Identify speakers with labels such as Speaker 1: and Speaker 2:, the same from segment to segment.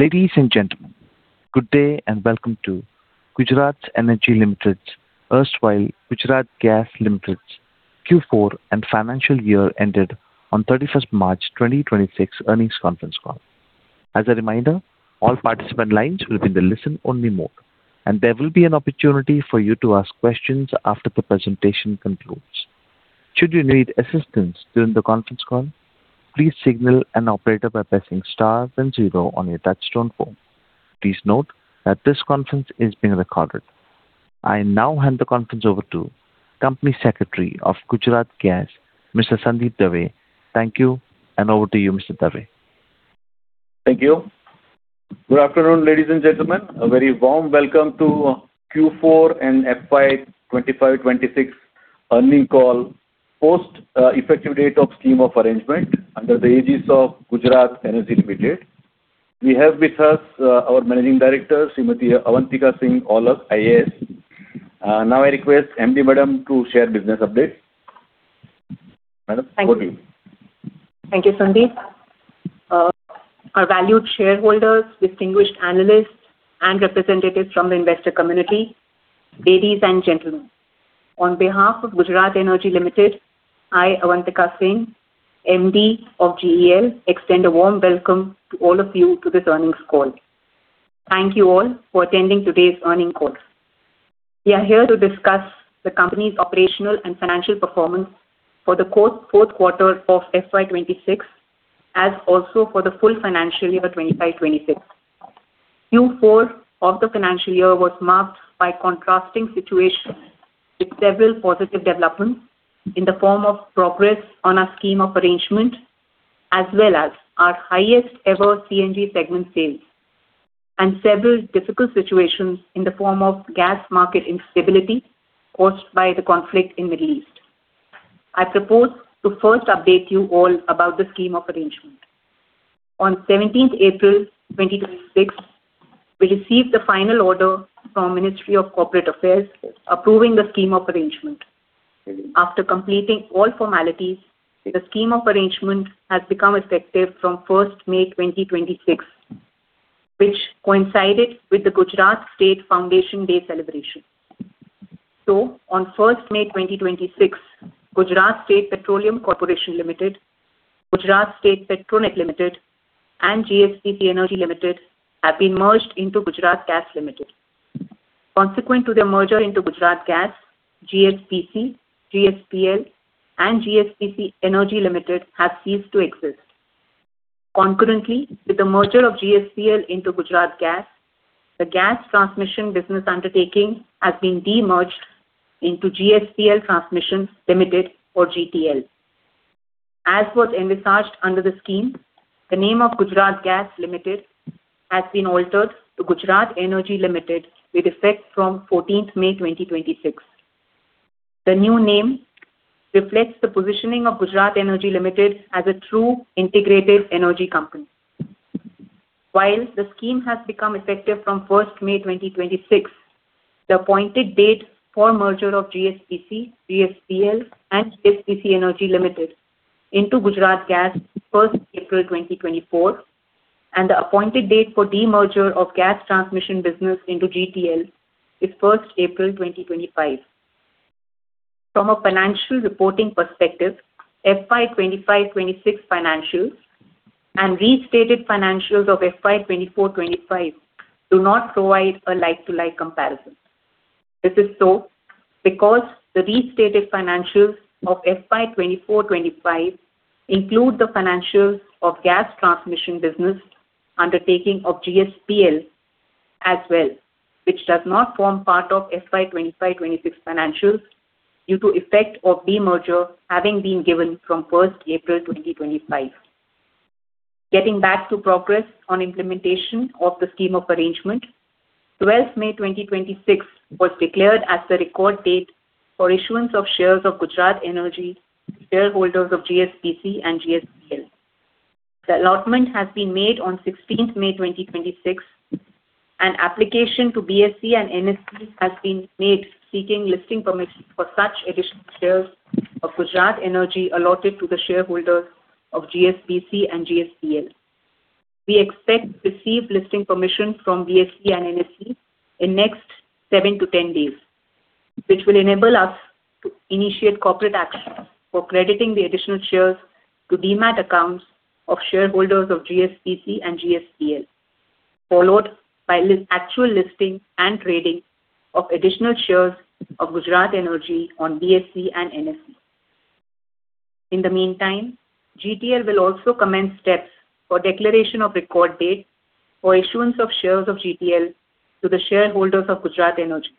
Speaker 1: Ladies and gentlemen, good day and welcome to Gujarat Energy Limited, erstwhile Gujarat Gas Limited's Q4 and financial year ended on 31st March 2026 earnings conference call. I now hand the conference over to Company Secretary of Gujarat Gas, Mr. Sandeep Dave. Thank you, and over to you, Mr. Dave.
Speaker 2: Thank you. Good afternoon, ladies and gentlemen. A very warm welcome to Q4 and FY 2025/2026 earnings call post effective date of scheme of arrangement under the aegis of Gujarat Energy Limited. We have with us our Managing Director, Avantika Singh, IAS. Now I request MD Madam to share business update. Madam, over to you.
Speaker 3: Thank you. Thank you, Sandeep. Our valued shareholders, distinguished analysts, and representatives from the investor community, ladies and gentlemen. On behalf of Gujarat Energy Limited, I, Avantika Singh, MD of GEL, extend a warm welcome to all of you to this earnings call. Thank you all for attending today's earnings call. We are here to discuss the company's operational and financial performance for the fourth quarter of FY 2026, as also for the full financial year 2025/2026. Q4 of the financial year was marked by contrasting situations with several positive developments in the form of progress on our scheme of arrangement, as well as our highest-ever CNG segment sales, and several difficult situations in the form of gas market instability caused by the conflict in the Middle East. I propose to first update you all about the scheme of arrangement. On 17th April 2026, we received the final order from Ministry of Corporate Affairs approving the scheme of arrangement. After completing all formalities, the scheme of arrangement has become effective from 1st May 2026, which coincided with the Gujarat State Foundation Day celebration. On 1st May 2026, Gujarat State Petroleum Corporation Limited, Gujarat State Petronet Limited, and GSPC Energy Limited have been merged into Gujarat Gas Limited. Consequent to their merger into Gujarat Gas, GSPC, GSPL, and GSPC Energy Limited have ceased to exist. Concurrently, with the merger of GSPL into Gujarat Gas, the gas transmission business undertaking has been de-merged into GSPL Transmission Limited or GTL. As was envisaged under the scheme, the name of Gujarat Gas Limited has been altered to Gujarat Energy Limited with effect from 14th May 2026. The new name reflects the positioning of Gujarat Energy Limited as a true integrated energy company. While the scheme has become effective from 1st May 2026, the appointed date for merger of GSPC, GSPL, and GSPC Energy Limited into Gujarat Gas is 1st April 2024, and the appointed date for demerger of gas transmission business into GTL is 1st April 2025. From a financial reporting perspective, FY 2025/2026 financials and restated financials of FY 2024/2025 do not provide a like-to-like comparison. This is so because the restated financials of FY 2024/2025 include the financials of gas transmission business undertaking of GSPL as well, which does not form part of FY 2025/2026 financials due to effect of demerger having been given from 1st April 2025. Getting back to progress on implementation of the scheme of arrangement, 12th May 2026 was declared as the record date for issuance of shares of Gujarat Energy to shareholders of GSPC and GSPL. The allotment has been made on 16th May 2026, and application to BSE and NSE has been made seeking listing permission for such additional shares of Gujarat Energy allotted to the shareholders of GSPC and GSPL. We expect to receive listing permission from BSE and NSE in next 7-10 days, which will enable us to initiate corporate actions for crediting the additional shares to Demat accounts of shareholders of GSPC and GSPL, followed by actual listing and trading of additional shares of Gujarat Energy on BSE and NSE. In the meantime, GTL will also commence steps for declaration of record date for issuance of shares of GTL to the shareholders of Gujarat Energy,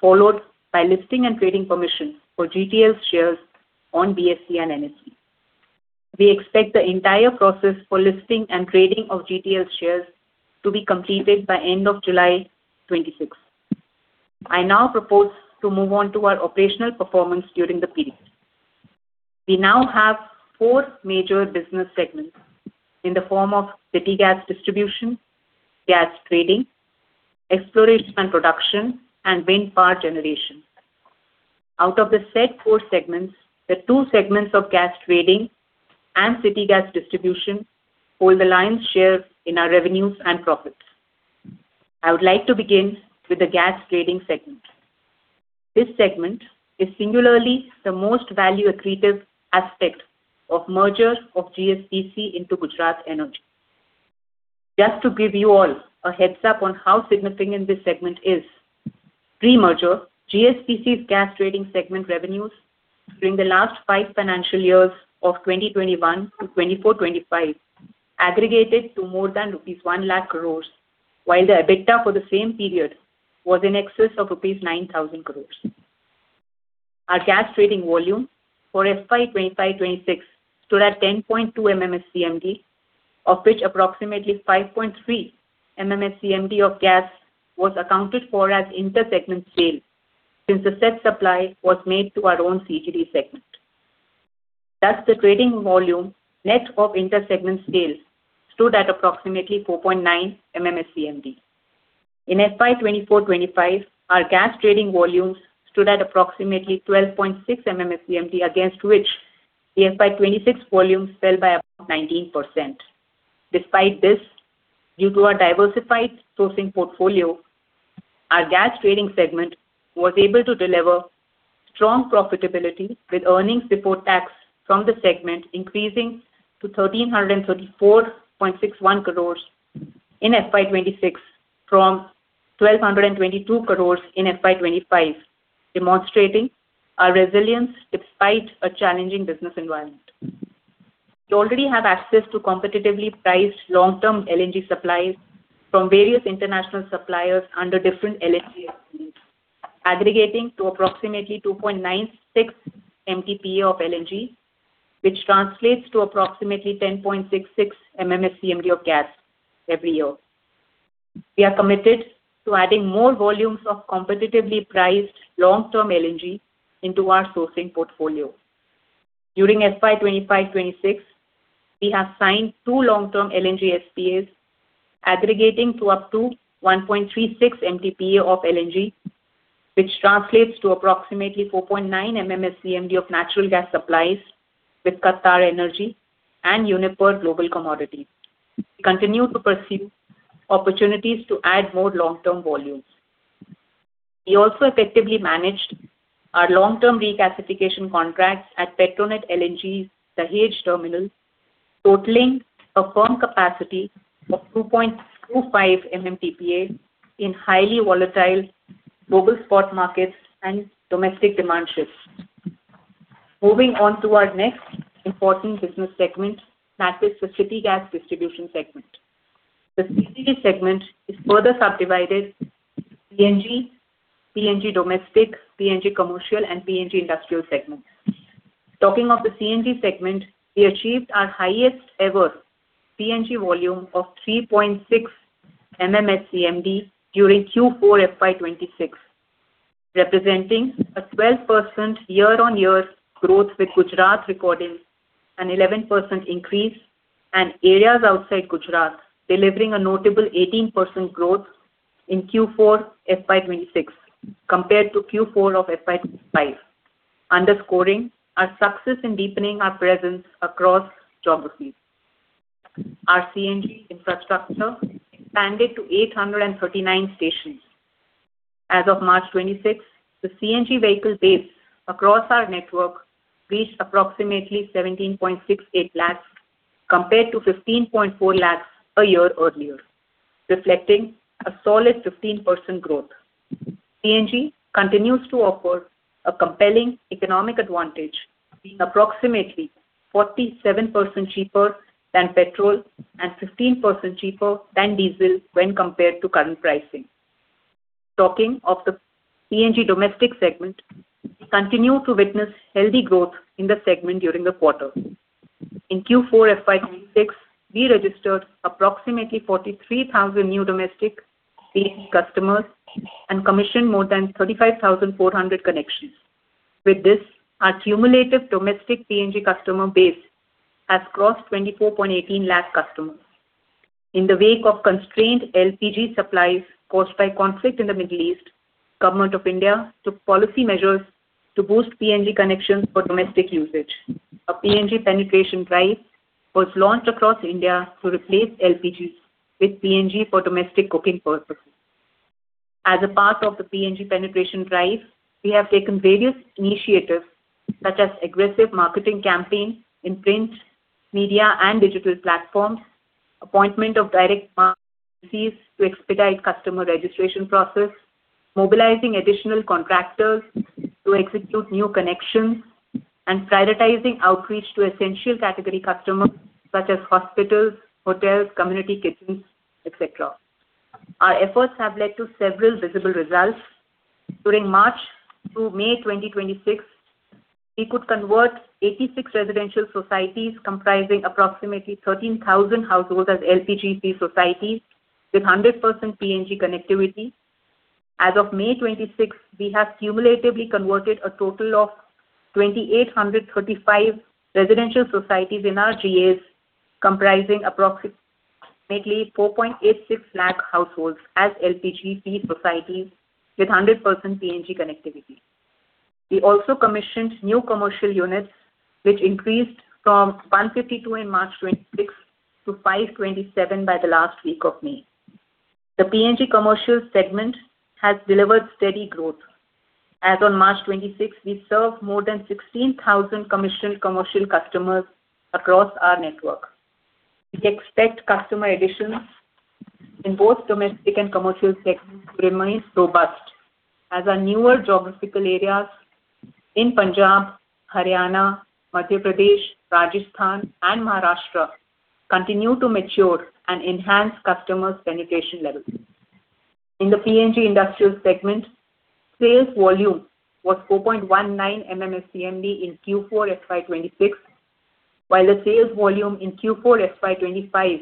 Speaker 3: followed by listing and trading permission for GTL's shares on BSE and NSE. We expect the entire process for listing and trading of GTL shares to be completed by end of July 2026. I now propose to move on to our operational performance during the period. We now have four major business segments in the form of city gas distribution, gas trading, exploration and production, and wind power generation. Out of the said four segments, the two segments of gas trading and city gas distribution hold the lion's share in our revenues and profits. I would like to begin with the gas trading segment. This segment is singularly the most value accretive aspect of merger of GSPC into Gujarat Energy Limited. Just to give you all a heads up on how significant this segment is, pre-merger, GSPC's gas trading segment revenues during the last five financial years of 2021 to 2024/2025 aggregated to more than rupees 1 lakh crore, while the EBITDA for the same period was in excess of rupees 9,000 crore. Our gas trading volume for FY 2025/2026 stood at 10.2 MMSCMD, of which approximately 5.3 MMSCMD of gas was accounted for as inter-segment sales, since the said supply was made to our own CGD segment. The trading volume net of inter-segment sales stood at approximately 4.9 MMSCMD. In FY 2024/2025, our gas trading volumes stood at approximately 12.6 MMSCMD, against which the FY 2026 volumes fell by about 19%. Despite this, due to our diversified sourcing portfolio, our gas trading segment was able to deliver strong profitability with earnings before tax from the segment increasing to 1,334.61 crores in FY 2026 from 1,222 crores in FY 2025, demonstrating our resilience despite a challenging business environment. We already have access to competitively priced long-term LNG supplies from various international suppliers under different LNG SPAs, aggregating to approximately 2.96 MTPA of LNG, which translates to approximately 10.66 MMSCMD of gas every year. We are committed to adding more volumes of competitively priced long-term LNG into our sourcing portfolio. During FY 2025/2026, we have signed two long-term LNG SPAs aggregating to up to 1.36 MTPA of LNG, which translates to approximately 4.9 MMSCMD of natural gas supplies with QatarEnergy and Uniper Global Commodities. We continue to perceive opportunities to add more long-term volumes. We also effectively managed our long-term regasification contracts at Petronet LNG's Dahej Terminal, totaling a firm capacity of 2.25 MMTPA in highly volatile global spot markets and domestic demand shifts. Moving on to our next important business segment, that is the city gas distribution segment. The CGD segment is further subdivided into CNG domestic, CNG commercial, and CNG industrial segments. Talking of the CNG segment, we achieved our highest ever CNG volume of 3.6 MMSCMD during Q4 FY 2026, representing a 12% year-on-year growth, with Gujarat recording an 11% increase and areas outside Gujarat delivering a notable 18% growth in Q4 FY 2026 compared to Q4 of FY 2025, underscoring our success in deepening our presence across geographies. Our CNG infrastructure expanded to 839 stations. As of March 2026, the CNG vehicle base across our network reached approximately 17.68 lakhs compared to 15.4 lakhs a year earlier, reflecting a solid 15% growth. CNG continues to offer a compelling economic advantage, being approximately 47% cheaper than petrol and 15% cheaper than diesel when compared to current pricing. Talking of the CNG domestic segment, we continue to witness healthy growth in the segment during the quarter. In Q4 FY 2026, we registered approximately 43,000 new domestic CNG customers and commissioned more than 35,400 connections. With this, our cumulative domestic PNG customer base has crossed 24.18 lakh customers. In the wake of constrained LPG supplies caused by conflict in the Middle East, Government of India took policy measures to boost PNG connections for domestic usage. A PNG penetration drive was launched across India to replace LPG with PNG for domestic cooking purposes. As a part of the PNG penetration drive, we have taken various initiatives such as aggressive marketing campaign in print, media, and digital platforms, appointment of direct to expedite customer registration process, mobilizing additional contractors to execute new connections, and prioritizing outreach to essential category customers such as hospitals, hotels, community kitchens, et cetera. Our efforts have led to several visible results. During March to May 2026, we could convert 86 residential societies comprising approximately 13,000 households as LPG-free societies with 100% PNG connectivity. As of May 2026, we have cumulatively converted a total of 2,835 residential societies in our GAs comprising Approximately 4.86 lakh households as LPG-free societies with 100% PNG connectivity. We also commissioned new commercial units, which increased from 152 in March 2026 to 527 by the last week of May. The PNG commercial segment has delivered steady growth. As on March 2026, we served more than 16,000 commissioned commercial customers across our network. We expect customer additions in both domestic and commercial segments to remain robust as our newer geographical areas in Punjab, Haryana, Madhya Pradesh, Rajasthan, and Maharashtra continue to mature and enhance customers' penetration levels. In the PNG industrial segment, sales volume was 4.19 MMSCMD in Q4 FY 2026, while the sales volume in Q4 FY 2025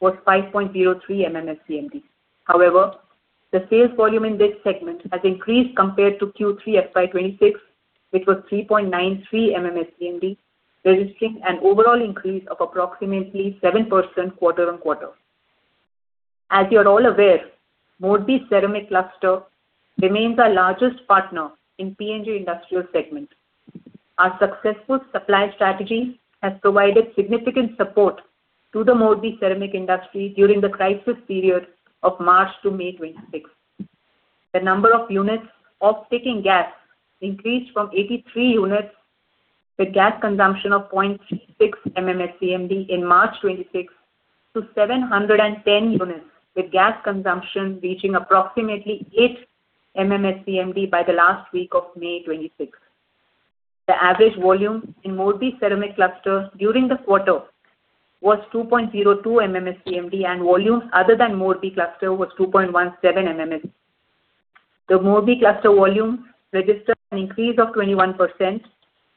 Speaker 3: was 5.03 MMSCMD. However, the sales volume in this segment has increased compared to Q3 FY 2026, which was 3.93 MMSCMD, registering an overall increase of approximately 7% quarter-on-quarter. As you're all aware, Morbi Ceramic Cluster remains our largest partner in PNG industrial segment. Our successful supply strategy has provided significant support to the Morbi ceramic industry during the crisis period of March to May 2026. The number of units off taking gas increased from 83 units with gas consumption of 0.66 MMSCMD in March 2026 to 710 units, with gas consumption reaching approximately 8 MMSCMD by the last week of May 2026. The average volume in Morbi Ceramic Cluster during the quarter was 2.02 MMSCMD, and volumes other than Morbi Cluster was 2.17 MMSCMD. The Morbi Cluster volume registered an increase of 21%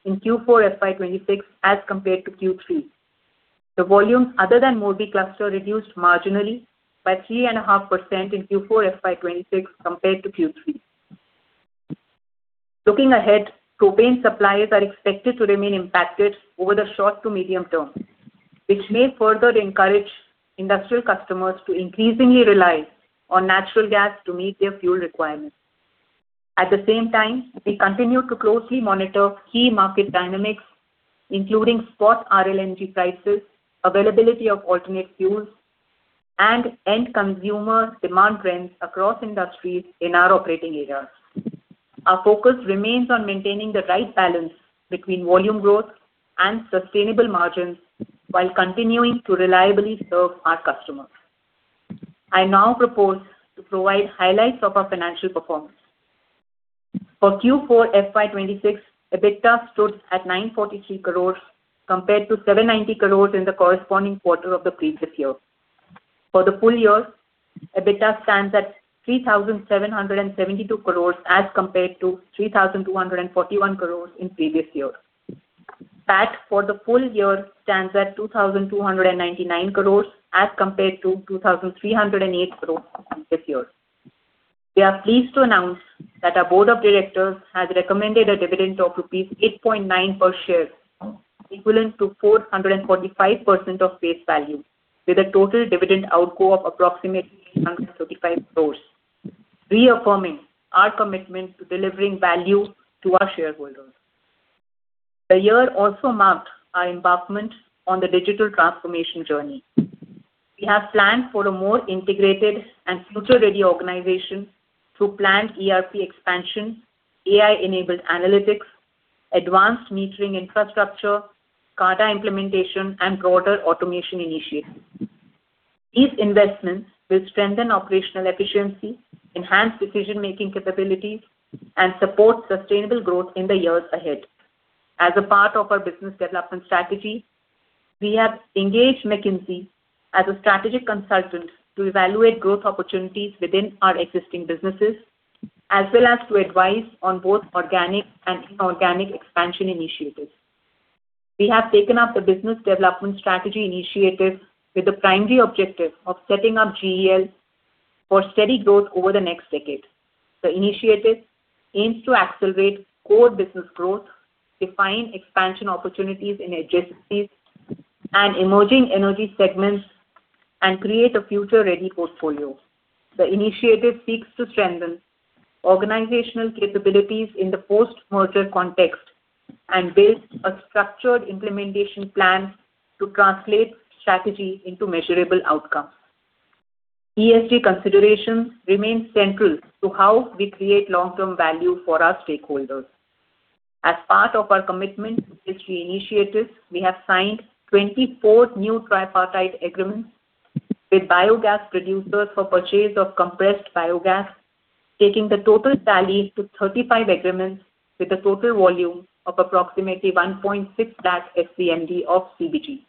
Speaker 3: in Q4 FY 2026 as compared to Q3. The volume other than Morbi Cluster reduced marginally by 3.5% in Q4 FY 2026 compared to Q3. Looking ahead, propane supplies are expected to remain impacted over the short to medium term, which may further encourage industrial customers to increasingly rely on natural gas to meet their fuel requirements. At the same time, we continue to closely monitor key market dynamics, including spot RLNG prices, availability of alternate fuels, and end consumer demand trends across industries in our operating areas. Our focus remains on maintaining the right balance between volume growth and sustainable margins while continuing to reliably serve our customers. I now propose to provide highlights of our financial performance. For Q4 FY 2026, EBITDA stood at 943 crores compared to 790 crores in the corresponding quarter of the previous year. For the full year, EBITDA stands at 3,772 crore as compared to 3,241 crore in previous year. PAT for the full year stands at 2,299 crore as compared to 2,308 crore in this year. We are pleased to announce that our board of directors has recommended a dividend of rupees 8.9 per share, equivalent to 445% of face value, with a total dividend outgo of approximately 835 crore, reaffirming our commitment to delivering value to our shareholders. The year also marked our embarkment on the digital transformation journey. We have planned for a more integrated and future-ready organization through planned ERP expansion, AI-enabled analytics, advanced metering infrastructure, SCADA implementation, and broader automation initiatives. These investments will strengthen operational efficiency, enhance decision-making capabilities, and support sustainable growth in the years ahead. As a part of our business development strategy, we have engaged McKinsey as a strategic consultant to evaluate growth opportunities within our existing businesses, as well as to advise on both organic and inorganic expansion initiatives. We have taken up the business development strategy initiative with the primary objective of setting up GEL for steady growth over the next decade. The initiative aims to accelerate core business growth, define expansion opportunities in adjacencies and emerging energy segments, and create a future-ready portfolio. The initiative seeks to strengthen organizational capabilities in the post-merger context and build a structured implementation plan to translate strategy into measurable outcomes. ESG considerations remain central to how we create long-term value for our stakeholders. As part of our commitment to ESG initiatives, we have signed 24 new tripartite agreements with biogas producers for purchase of compressed biogas, taking the total tally to 35 agreements with a total volume of approximately 1.6 SCMD of CBG.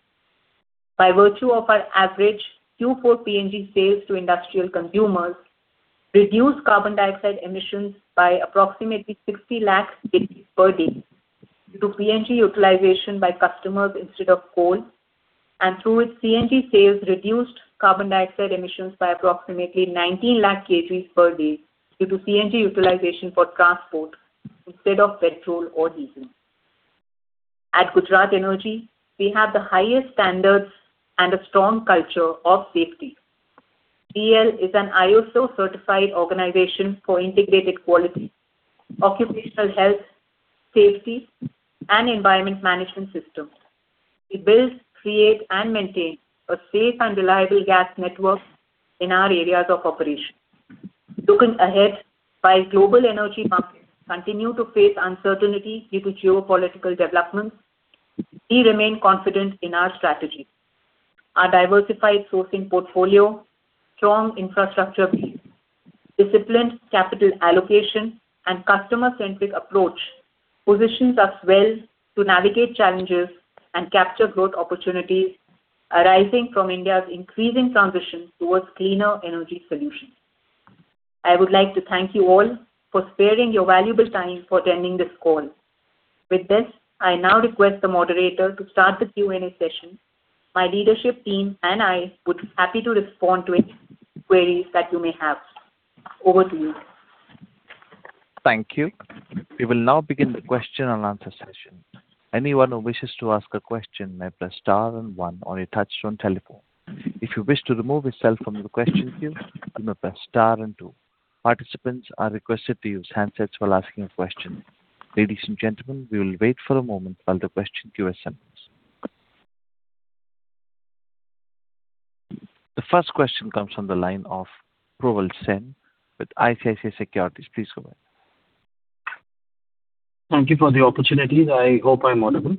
Speaker 3: By virtue of our average Q4 PNG sales to industrial consumers reduced carbon dioxide emissions by approximately 60 lakh kilograms per day due to PNG utilization by customers instead of coal, and through its CNG sales, reduced carbon dioxide emissions by approximately 90 lakh kilograms per day due to CNG utilization for transport instead of petrol or diesel. Gujarat Energy, we have the highest standards and a strong culture of safety. GGL is an ISO-certified organization for integrated quality, occupational health, safety, and environment management systems. We build, create, and maintain a safe and reliable gas network in our areas of operation. Looking ahead, while global energy markets continue to face uncertainty due to geopolitical developments, we remain confident in our strategy. Our diversified sourcing portfolio, strong infrastructure base, disciplined capital allocation, and customer-centric approach positions us well to navigate challenges and capture growth opportunities arising from India's increasing transition towards cleaner energy solutions. I would like to thank you all for sparing your valuable time for attending this call. With this, I now request the moderator to start the Q&A session. My leadership team and I would be happy to respond to any queries that you may have. Over to you.
Speaker 1: Thank you. We will now begin the question-and-answer session. The first question comes from the line of Probal Sen with ICICI Securities. Please go ahead.
Speaker 4: Thank you for the opportunity. I hope I'm audible.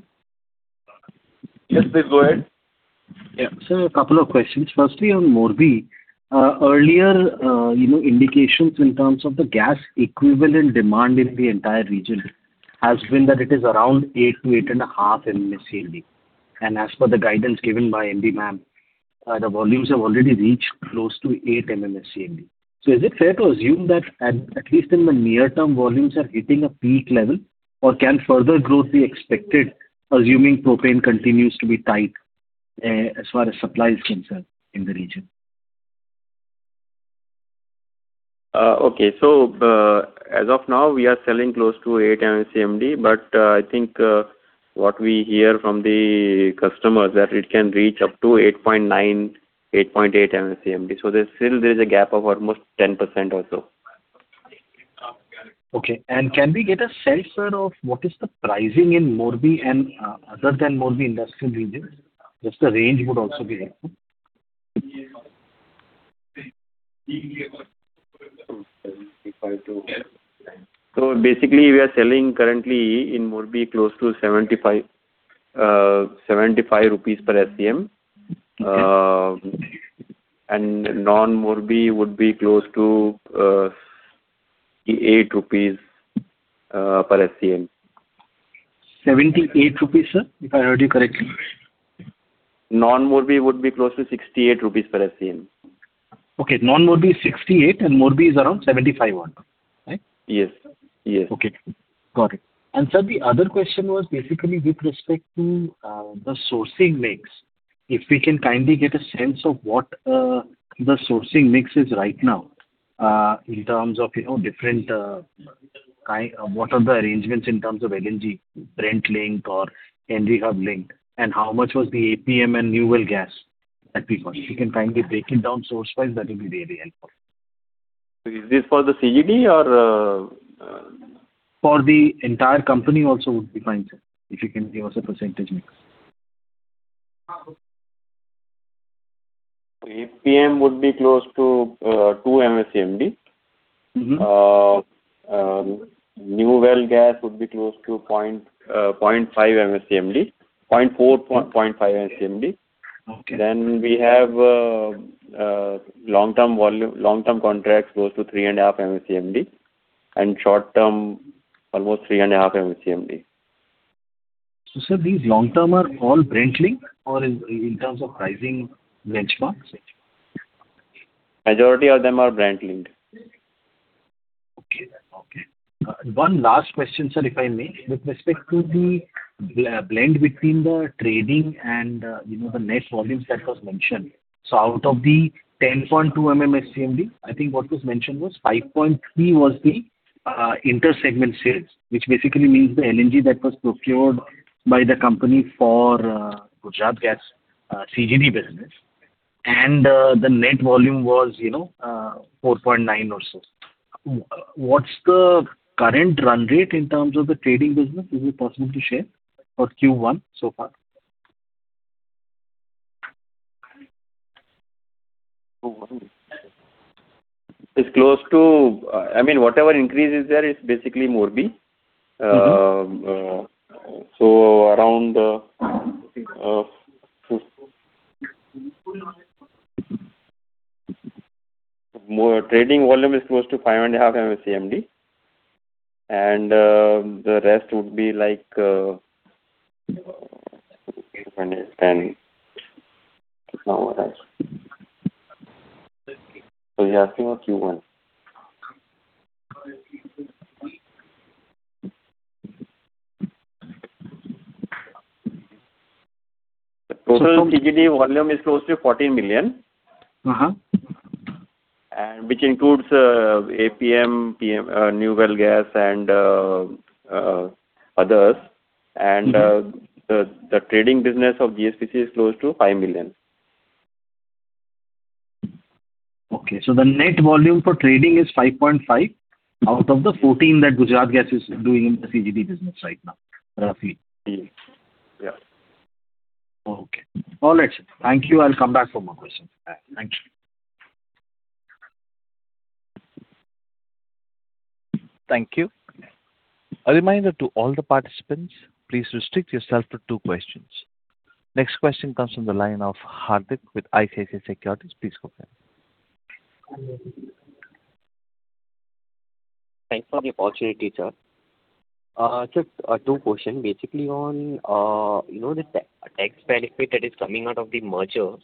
Speaker 5: Yes, please go ahead.
Speaker 4: Yeah. A couple of questions. Firstly, on Morbi. Earlier indications in terms of the gas equivalent demand in the entire region has been that it is around 8-8.5 MMSCMD. As per the guidance given by MD ma'am, the volumes have already reached close to 8 MMSCMD. Is it fair to assume that at least in the near term, volumes are hitting a peak level, or can further growth be expected, assuming propane continues to be tight as far as supplies concern in the region?
Speaker 5: Okay. As of now, we are selling close to 8 MMSCMD. I think what we hear from the customers, that it can reach up to 8.9, 8.8 MMSCMD. Still there is a gap of almost 10% or so.
Speaker 4: Okay. Can we get a sense of what is the pricing in Morbi and other than Morbi industrial regions? Just a range would also be helpful.
Speaker 5: Basically, we are selling currently in Morbi close to INR 75 per SCM.
Speaker 4: Okay.
Speaker 5: non-Morbi would be close to 68 rupees per SCM.
Speaker 4: 78 rupees, sir, if I heard you correctly.
Speaker 5: Non-Morbi would be close to 68 rupees per SCM.
Speaker 4: Okay. Non-Morbi is 68 and Morbi is around 75 onward, right?
Speaker 5: Yes.
Speaker 4: Okay, got it. Sir, the other question was basically with respect to the sourcing mix. If we can kindly get a sense of what the sourcing mix is right now. What are the arrangements in terms of LNG, Brent link or Henry Hub link, and how much was the APM and New Well Gas that we bought. If you can kindly break it down source-wise, that will be really helpful.
Speaker 5: Is this for the CGD or?
Speaker 4: For the entire company also would be fine, sir, if you can give us a percentage mix.
Speaker 5: APM would be close to two MMSCMD. New Well Gas would be close to 0.5 MMSCMD. 0.4, 0.5 MMSCMD.
Speaker 4: Okay.
Speaker 5: We have long-term contracts close to 3.5 MMSCMD, and short term, almost 3.5 MMSCMD.
Speaker 4: Sir, these long term are all Brent linked in terms of pricing benchmarks?
Speaker 5: Majority of them are Brent linked.
Speaker 4: Okay. One last question, sir, if I may. With respect to the blend between the trading and the net volumes that was mentioned. Out of the 10.2 MMSCMD, I think what was mentioned was 5.3 MMSCMD was the inter segment sales, which basically means the LNG that was procured by the company for Gujarat Gas CGD business. The net volume was 4.9 or so. What's the current run rate in terms of the trading business? Is it possible to share for Q1 so far?
Speaker 5: It's close to Whatever increase is there is basically Morbi. Around Trading volume is close to five and a half MMSCMD, and the rest would be like, were you asking for Q1? TotalEnergies CGD volume is close to 14 million. Which includes APM, New Well Gas, and others. The trading business of GSPC is close to 5 million.
Speaker 4: Okay. The net volume for trading is 5.5 out of the 14 that Gujarat Gas is doing in the CGD business right now, roughly.
Speaker 5: Yeah.
Speaker 4: Okay. All right, sir. Thank you. I'll come back for more questions. Thank you.
Speaker 1: Thank you. A reminder to all the participants, please restrict yourself to two questions. Next question comes from the line of Hardik with ICICI Securities. Please go ahead.
Speaker 6: Thanks for the opportunity, sir. Just two questions. Basically on the tax benefit that is coming out of the merger,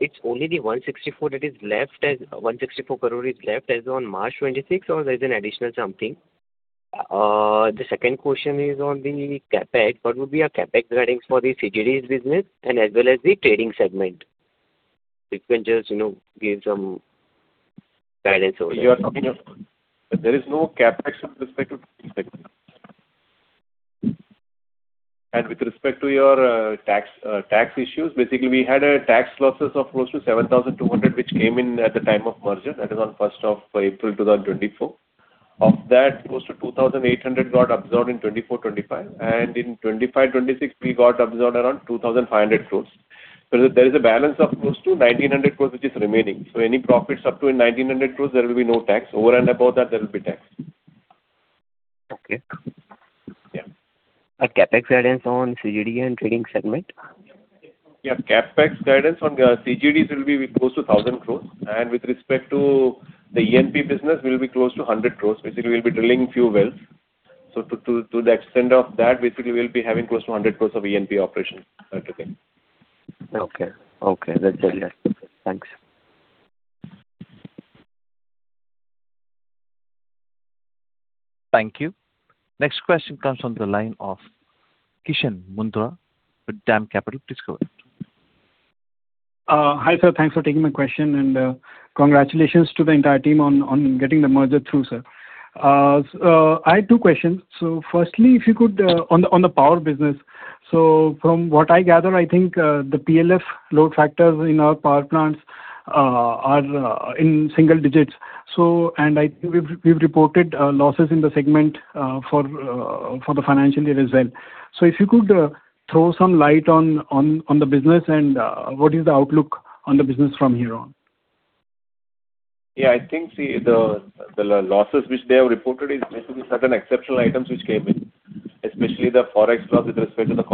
Speaker 6: it is only the 164 crore that is left as on March 2026, or there is an additional something? The second question is on the CapEx. What would be our CapEx guidance for the CGD's business and as well as the trading segment? If you can just give some guidance over here.
Speaker 5: There is no CapEx with respect to trading segment. With respect to your tax issues, basically, we had tax losses of close to 7,200, which came in at the time of merger, that is on 1st of April 2024. Of that, close to 2,800 got absorbed in 2024/2025, and in 2025/2026, we got absorbed around 2,500 crores. There is a balance of close to 1,900 crores which is remaining. Any profits up to 1,900 crores, there will be no tax. Over and above that, there will be tax.
Speaker 6: Okay.
Speaker 5: Yeah.
Speaker 6: CapEx guidance on CGD and trading segment?
Speaker 5: Yeah. CapEx guidance on CGDs will be close to 1,000 crores. With respect to the E&P business, we'll be close to 100 crores. Basically, we'll be drilling few wells. To the extent of that, basically, we'll be having close to 100 crores of E&P operations to take in.
Speaker 6: Okay. That's clear. Thanks.
Speaker 1: Thank you. Next question comes on the line of Kishan Mundhra with DAM Capital. Please go ahead.
Speaker 7: Hi, sir. Thanks for taking my question, and congratulations to the entire team on getting the merger through, sir. I have two questions. Firstly, if you could, on the power business. From what I gather, I think the PLF load factors in our power plants are in single digits. I think we've reported losses in the segment for the financial year as well. If you could throw some light on the business and what is the outlook on the business from here on?
Speaker 5: Yeah, I think the losses which they have reported is basically certain exceptional items which came in, especially the Forex loss with respect to the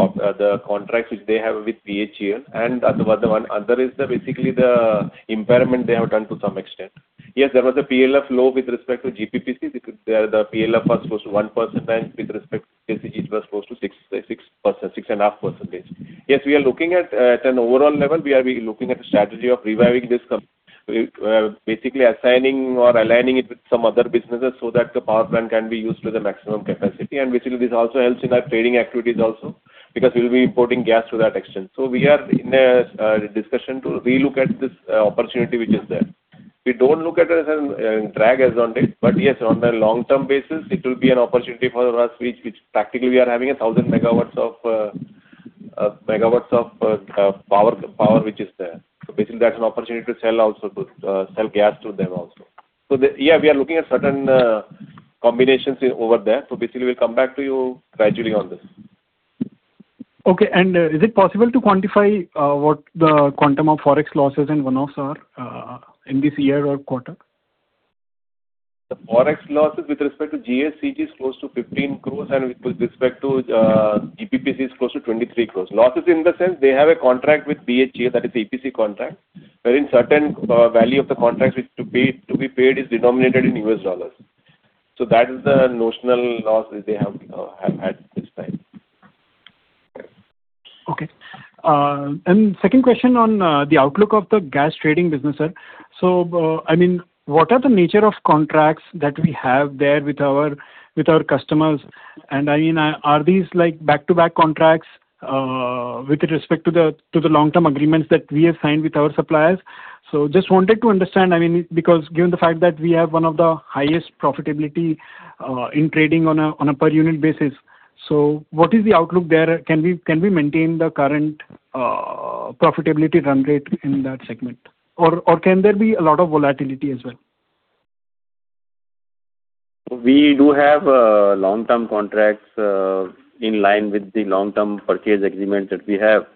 Speaker 5: contracts which they have with BHEL. The other is basically the impairment they have done to some extent. Yes, there was a PLF low with respect to GPPC. The PLF was close to 1% and with respect to LCG it was close to 6.5%. Yes, at an overall level, we are looking at a strategy of reviving this company. We are basically assigning or aligning it with some other businesses so that the power plant can be used to the maximum capacity, basically this also helps in our trading activities also because we'll be importing gas to that extent. We are in a discussion to relook at this opportunity which is there. We don't look at it as a drag as on date. Yes, on the long-term basis, it will be an opportunity for us, which practically we are having 1,000 MW of power which is there. Basically, that's an opportunity to sell gas to them also. Yeah, we are looking at certain combinations over there. Basically, we'll come back to you gradually on this.
Speaker 7: Okay. Is it possible to quantify what the quantum of Forex losses and one-offs are in this year or quarter?
Speaker 5: The Forex losses with respect to GS CG is close to 15 crore, and with respect to GPPC is close to 23 crore. Losses in the sense they have a contract with BHEL, that is APC contract, wherein certain value of the contract to be paid is denominated in US dollars. That is the notional losses they have had this time.
Speaker 7: Okay. Second question on the outlook of the gas trading business, sir. What are the nature of contracts that we have there with our customers, and are these back-to-back contracts with respect to the long-term agreements that we have signed with our suppliers? Just wanted to understand, because given the fact that we have one of the highest profitability in trading on a per unit basis. What is the outlook there? Can we maintain the current profitability run rate in that segment, or can there be a lot of volatility as well?
Speaker 5: We do have long-term contracts in line with the long-term purchase agreement that we have.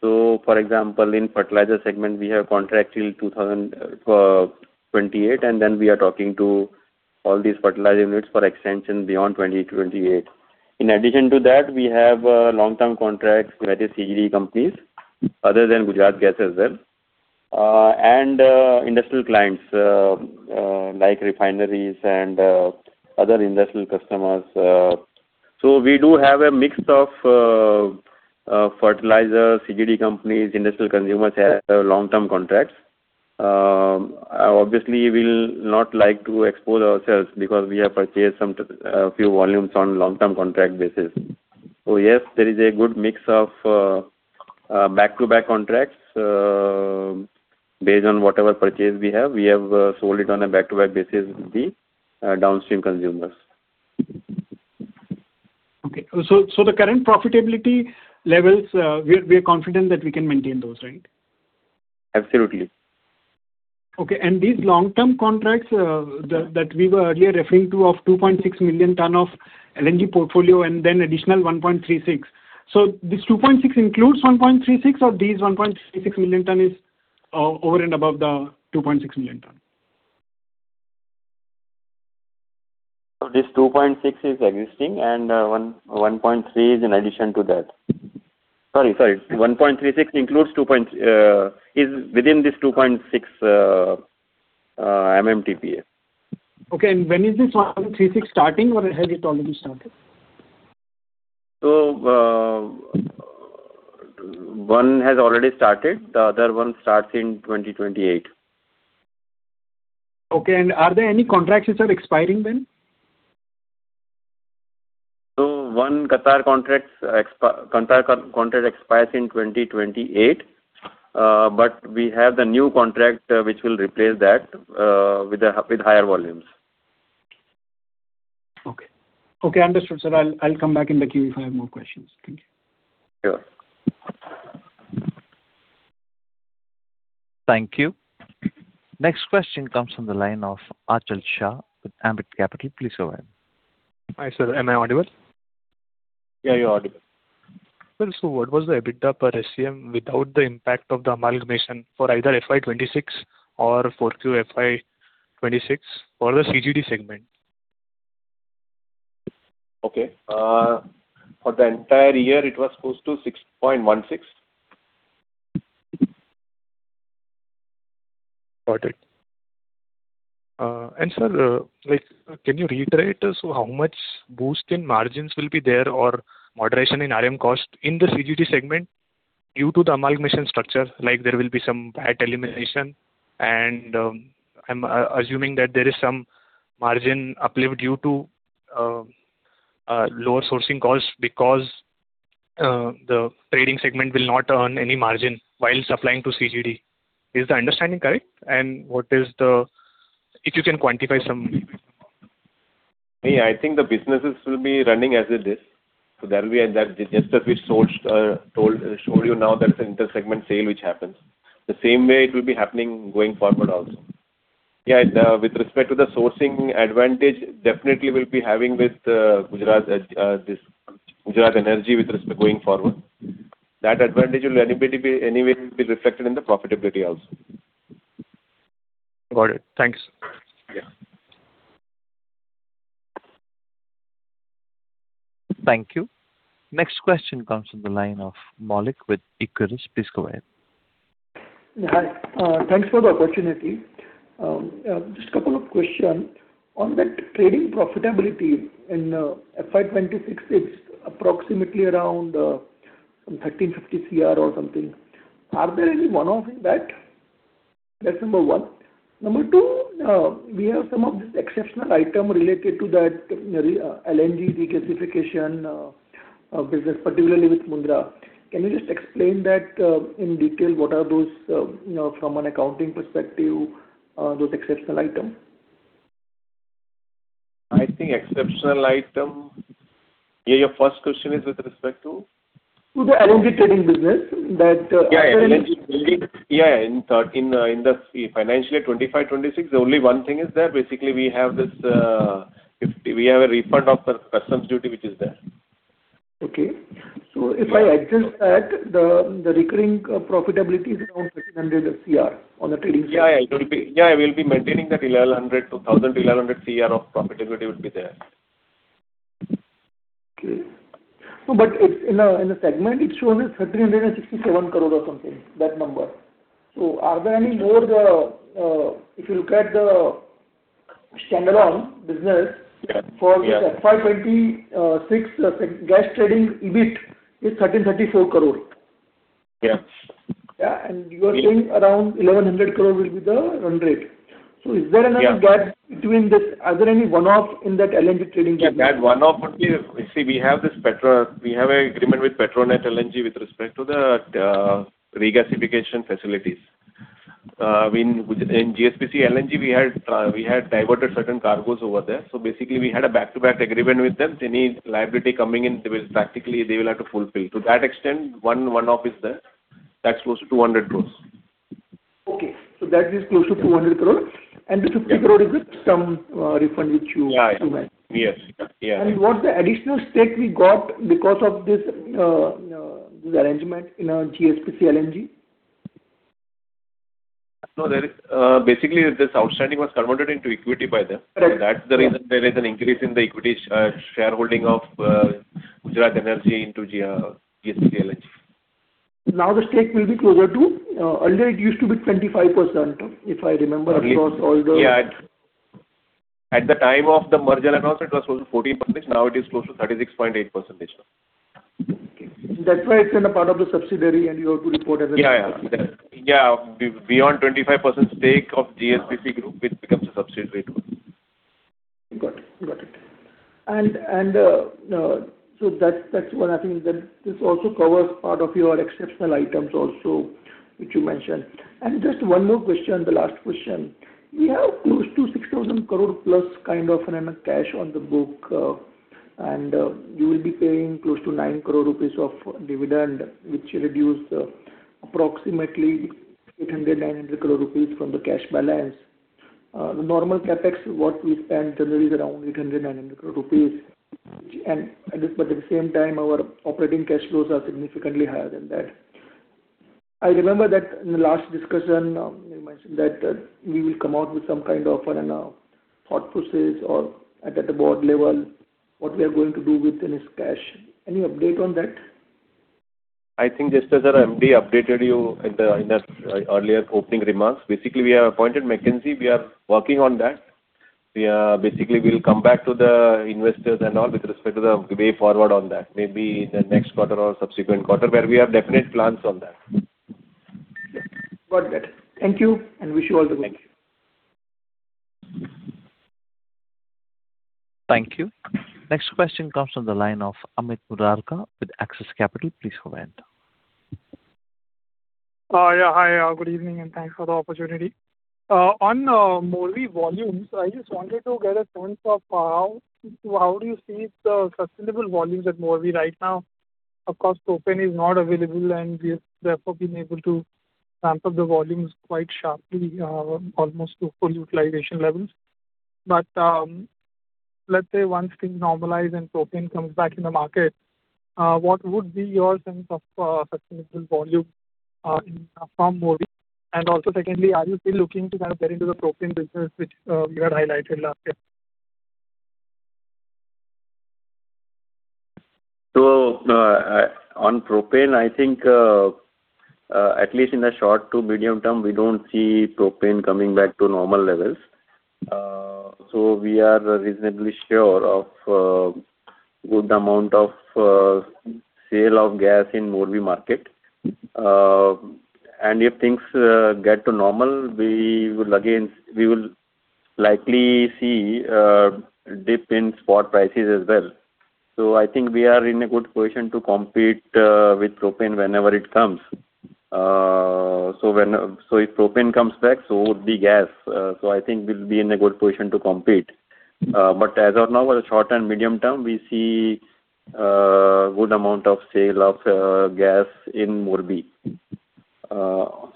Speaker 5: For example, in fertilizer segment, we have contract till 2028, and then we are talking to all these fertilizer units for extension beyond 2028. In addition to that, we have long-term contracts with the CGD companies other than Gujarat Gas as well, and industrial clients like refineries and other industrial customers. industrial consumers have long-term contracts. Obviously, we will not like to expose ourselves because we have purchased a few volumes on long-term contract basis. Yes, there is a good mix of back-to-back contracts. Based on whatever purchase we have, we have sold it on a back-to-back basis with the downstream consumers.
Speaker 7: Okay. The current profitability levels, we are confident that we can maintain those, right?
Speaker 5: Absolutely.
Speaker 7: Okay. These long-term contracts that we were earlier referring to of 2.6 million tonne of LNG portfolio and then additional 1.36 million tonne. This 2.6 million tonne includes 1.36 or this 1.36 million tonne is over and above the 2.6 million tonne?
Speaker 5: This 2.6 million tonne is existing and 1.3 million tonne is in addition to that. Sorry, 1.36 is within this 2.6 MMTPA.
Speaker 7: Okay. When is this 1.36 million tonne starting or has it already started?
Speaker 5: One has already started, the other one starts in 2028.
Speaker 7: Okay. Are there any contracts which are expiring then?
Speaker 5: One Qatar contract expires in 2028. We have the new contract which will replace that with higher volumes.
Speaker 7: Okay. Understood, sir. I'll come back in the queue if I have more questions. Thank you.
Speaker 5: Sure.
Speaker 1: Thank you. Next question comes from the line of Achal Shah with Ambit Capital. Please go ahead.
Speaker 8: Hi, sir. Am I audible?
Speaker 5: Yeah, you're audible.
Speaker 8: Well, what was the EBITDA per SCM without the impact of the amalgamation for either FY 2026 or Q4 FY 2026 for the CGD segment?
Speaker 5: Okay. For the entire year, it was close to 6.16.
Speaker 8: Got it. Sir, can you reiterate as to how much boost in margins will be there or moderation in RM cost in the CGD segment due to the amalgamation structure? There will be some VAT elimination, I'm assuming that there is some margin uplift due to lower sourcing costs because the trading segment will not earn any margin while supplying to CGD. Is the understanding correct? If you can quantify some?
Speaker 5: Yeah, I think the businesses will be running as it is. That will be just that we showed you now, that's an inter-segment sale which happens. The same way it will be happening going forward also. Yeah, with respect to the sourcing advantage, definitely we'll be having with Gujarat Energy going forward. That advantage will anyway be reflected in the profitability also.
Speaker 8: Got it. Thanks.
Speaker 5: Yeah.
Speaker 1: Thank you. Next question comes from the line of Maulik with Equirus. Please go ahead.
Speaker 9: Hi. Thanks for the opportunity. Just a couple of questions. On that trading profitability in FY 2026, it's approximately around some 1,350 crore or something. Are there any one-offs in that? That's number one. Number two, we have some of this exceptional item related to that LNG regasification business, particularly with Mundra. Can you just explain that in detail, what are those from an accounting perspective, those exceptional items?
Speaker 5: I think exceptional item Your first question is with respect to?
Speaker 9: To the LNG trading business.
Speaker 5: Yeah, in the financial year 2025/2026, only one thing is there. Basically, we have a refund of customs duty which is there.
Speaker 9: Okay. If I adjust that, the recurring profitability is around 1,500 crore on the trading side.
Speaker 5: Yeah, we'll be maintaining that 1,100 to 1,000, 1,100 CR of profitability will be there.
Speaker 9: Okay. No, in the segment, it's shown as 1,367 crore or something, that number. Are there any more If you look at the standalone business-
Speaker 5: Yeah
Speaker 9: for FY 2026 gas trading EBIT is 1,334 crore.
Speaker 5: Yeah.
Speaker 9: Yeah. You are saying around 1,100 crore will be the run rate. Is there another gap between this? Are there any one-offs in that LNG trading segment?
Speaker 5: That one-off would be, you see, we have a agreement with Petronet LNG with respect to the regasification facilities. In GSPC LNG, we had diverted certain cargos over there. Basically we had a back-to-back agreement with them. Any liability coming in, practically they will have to fulfill. To that extent, one-off is there, that's close to 200 crore.
Speaker 9: Okay. That is close to 200 crores. The 50 crore is some refund which you had.
Speaker 5: Yes. Yeah.
Speaker 9: What's the additional stake we got because of this arrangement in GSPC LNG?
Speaker 5: No, basically this outstanding was converted into equity by them.
Speaker 9: Correct.
Speaker 5: That's the reason there is an increase in the equity shareholding of Gujarat Energy into GSPC LNG.
Speaker 9: Now the stake will be closer to earlier it used to be 25%, if I remember across all the.
Speaker 3: At the time of the merger announcement, it was close to 14%. Now it is close to 36.8%.
Speaker 9: Okay. That's why it's in a part of the subsidiary and you have to report.
Speaker 3: Yeah. Beyond 25% stake of GSPC Group, it becomes a subsidiary to us.
Speaker 9: Got it. That's one I think that this also covers part of your exceptional items also, which you mentioned. Just one more question, the last question. You have close to 6,000 crore plus kind of an amount cash on the book, and you will be paying close to 9 crore rupees of dividend, which will reduce approximately 800 crore-900 crore rupees from the cash balance. The normal CapEx, what we spend generally is around 800 crore-900 crore rupees. At the same time, our operating cash flows are significantly higher than that. I remember that in the last discussion, you mentioned that we will come out with some kind of an thought process or at the board level, what we are going to do with this cash. Any update on that?
Speaker 5: I think just as our MD updated you in the earlier opening remarks. We have appointed McKinsey, we are working on that. We'll come back to the investors and all with respect to the way forward on that. Maybe in the next quarter or subsequent quarter, where we have definite plans on that.
Speaker 9: Got that. Thank you, and wish you all the best.
Speaker 1: Thank you. Next question comes from the line of Amit Murarka with Axis Capital. Please go ahead.
Speaker 10: Hi. Good evening, and thanks for the opportunity. On Morbi volumes, I just wanted to get a sense of how do you see the sustainable volumes at Morbi right now? Of course, propane is not available, we've therefore been able to ramp up the volumes quite sharply, almost to full utilization levels. Let's say once things normalize and propane comes back in the market, what would be your sense of sustainable volume from Morbi? Also secondly, are you still looking to kind of get into the propane business, which you had highlighted last year?
Speaker 5: On propane, I think, at least in the short to medium term, we don't see propane coming back to normal levels. We are reasonably sure of good amount of sale of gas in Morbi market. If things get to normal, we will likely see a dip in spot prices as well. I think we are in a good position to compete with propane whenever it comes. If propane comes back, so would the gas. I think we'll be in a good position to compete. As of now, for the short and medium term, we see a good amount of sale of gas in Morbi.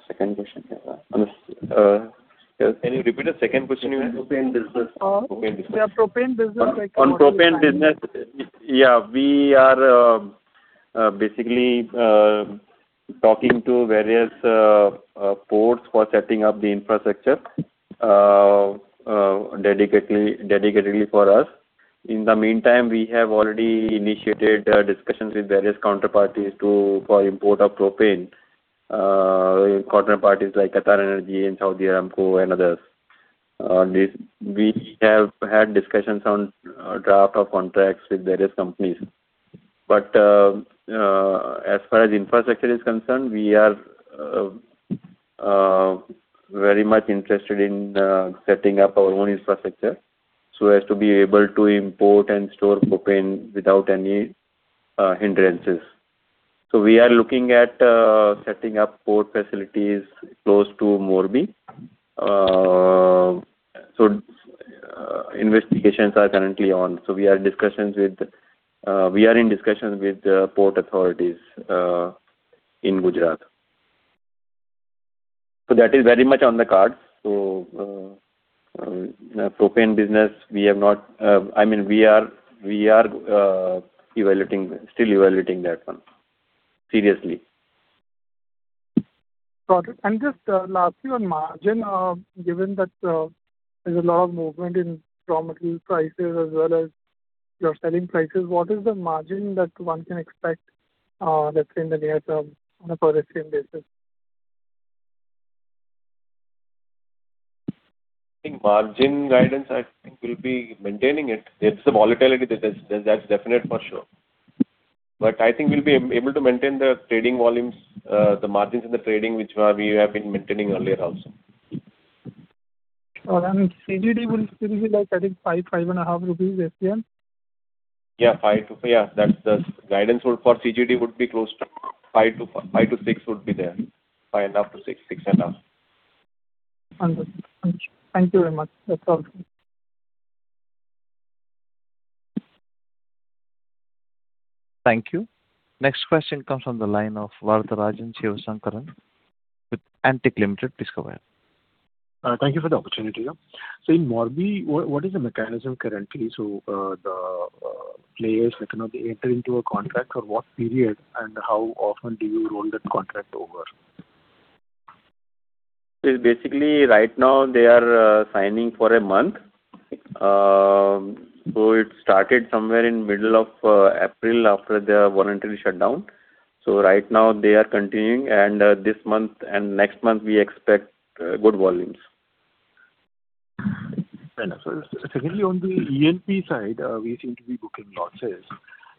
Speaker 5: Second question. Can you repeat the second question?
Speaker 10: Your propane business.
Speaker 5: On propane business, we are basically talking to various ports for setting up the infrastructure dedicatedly for us. In the meantime, we have already initiated discussions with various counterparties for import of propane. Counterparties like QatarEnergy and Saudi Aramco and others. We have had discussions on draft of contracts with various companies. As far as infrastructure is concerned, we are very much interested in setting up our own infrastructure so as to be able to import and store propane without any hindrances. We are looking at setting up port facilities close to Morbi. Investigations are currently on. We are in discussions with port authorities in Gujarat. That is very much on the card. Propane business, we are still evaluating that one seriously.
Speaker 10: Got it. Just lastly, on margin, given that there's a lot of movement in raw material prices as well as your selling prices, what is the margin that one can expect, let's say in the near term on a per SCM basis?
Speaker 5: I think margin guidance, I think we'll be maintaining it. There is some volatility, that's definite for sure. I think we'll be able to maintain the trading volumes, the margins in the trading, which we have been maintaining earlier also.
Speaker 10: Got it. CGD will still be like, I think 5.5 rupees FM?
Speaker 5: Yeah, the guidance for CGD would be close to 5-6 would be there. 5.5-6.5.
Speaker 10: Understood. Thank you very much. That's all.
Speaker 1: Thank you. Next question comes from the line of Varatharajan Sivasankaran with Antique Limited. Please go ahead.
Speaker 11: Thank you for the opportunity. In Morbi, what is the mechanism currently? The players cannot enter into a contract. For what period and how often do you roll that contract over?
Speaker 5: Basically right now they are signing for a month. Started somewhere in middle of April after the voluntary shutdown. Right now they are continuing, and this month and next month we expect good volumes.
Speaker 11: Fair enough. Secondly, on the E&P side, we seem to be booking losses.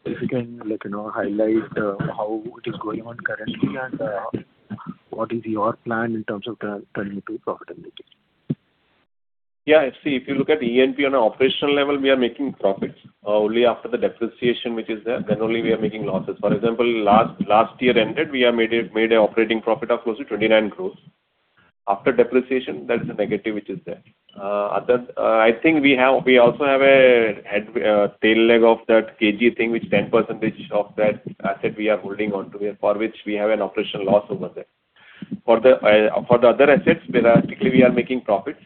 Speaker 11: If you can highlight how it is going on currently and what is your plan in terms of turning it to profitability?
Speaker 5: Yeah. See, if you look at E&P on an operational level, we are making profits. Only after the depreciation which is there, then only we are making losses. For example, last year ended, we have made an operating profit of close to 29 crores. After depreciation, that is the negative which is there. I think we also have a tail leg of that KG thing, which 10% of that asset we are holding onto, for which we have an operational loss over there. For the other assets, basically we are making profits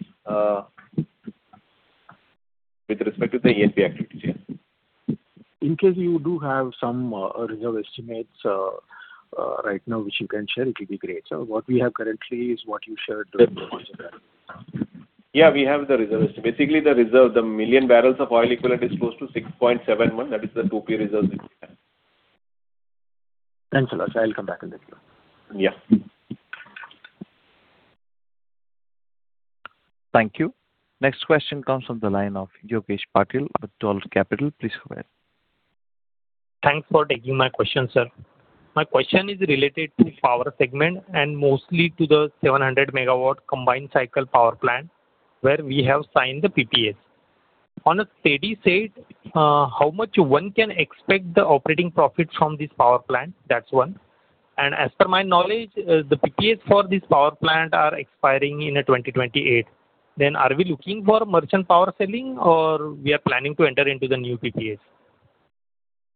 Speaker 5: with respect to the E&P activities, yeah.
Speaker 11: In case you do have some reserve estimates right now which you can share, it will be great. What we have currently is what you shared during the investor meet.
Speaker 5: Yeah, we have the reserve estimate. Basically, the reserve, the million barrels of oil equivalent is close to 6.71. That is the 2P reserves which we have.
Speaker 11: Thanks a lot, sir. I'll come back in the queue.
Speaker 5: Yeah.
Speaker 1: Thank you. Next question comes from the line of Yogesh Patil with Dolat Capital. Please go ahead.
Speaker 12: Thanks for taking my question, sir. My question is related to power segment and mostly to the 700 MW combined cycle power plant where we have signed the PPAs. On a steady state, how much one can expect the operating profit from this power plant? That's one. As per my knowledge, the PPAs for this power plant are expiring in 2028. Are we looking for merchant power selling or we are planning to enter into the new PPAs?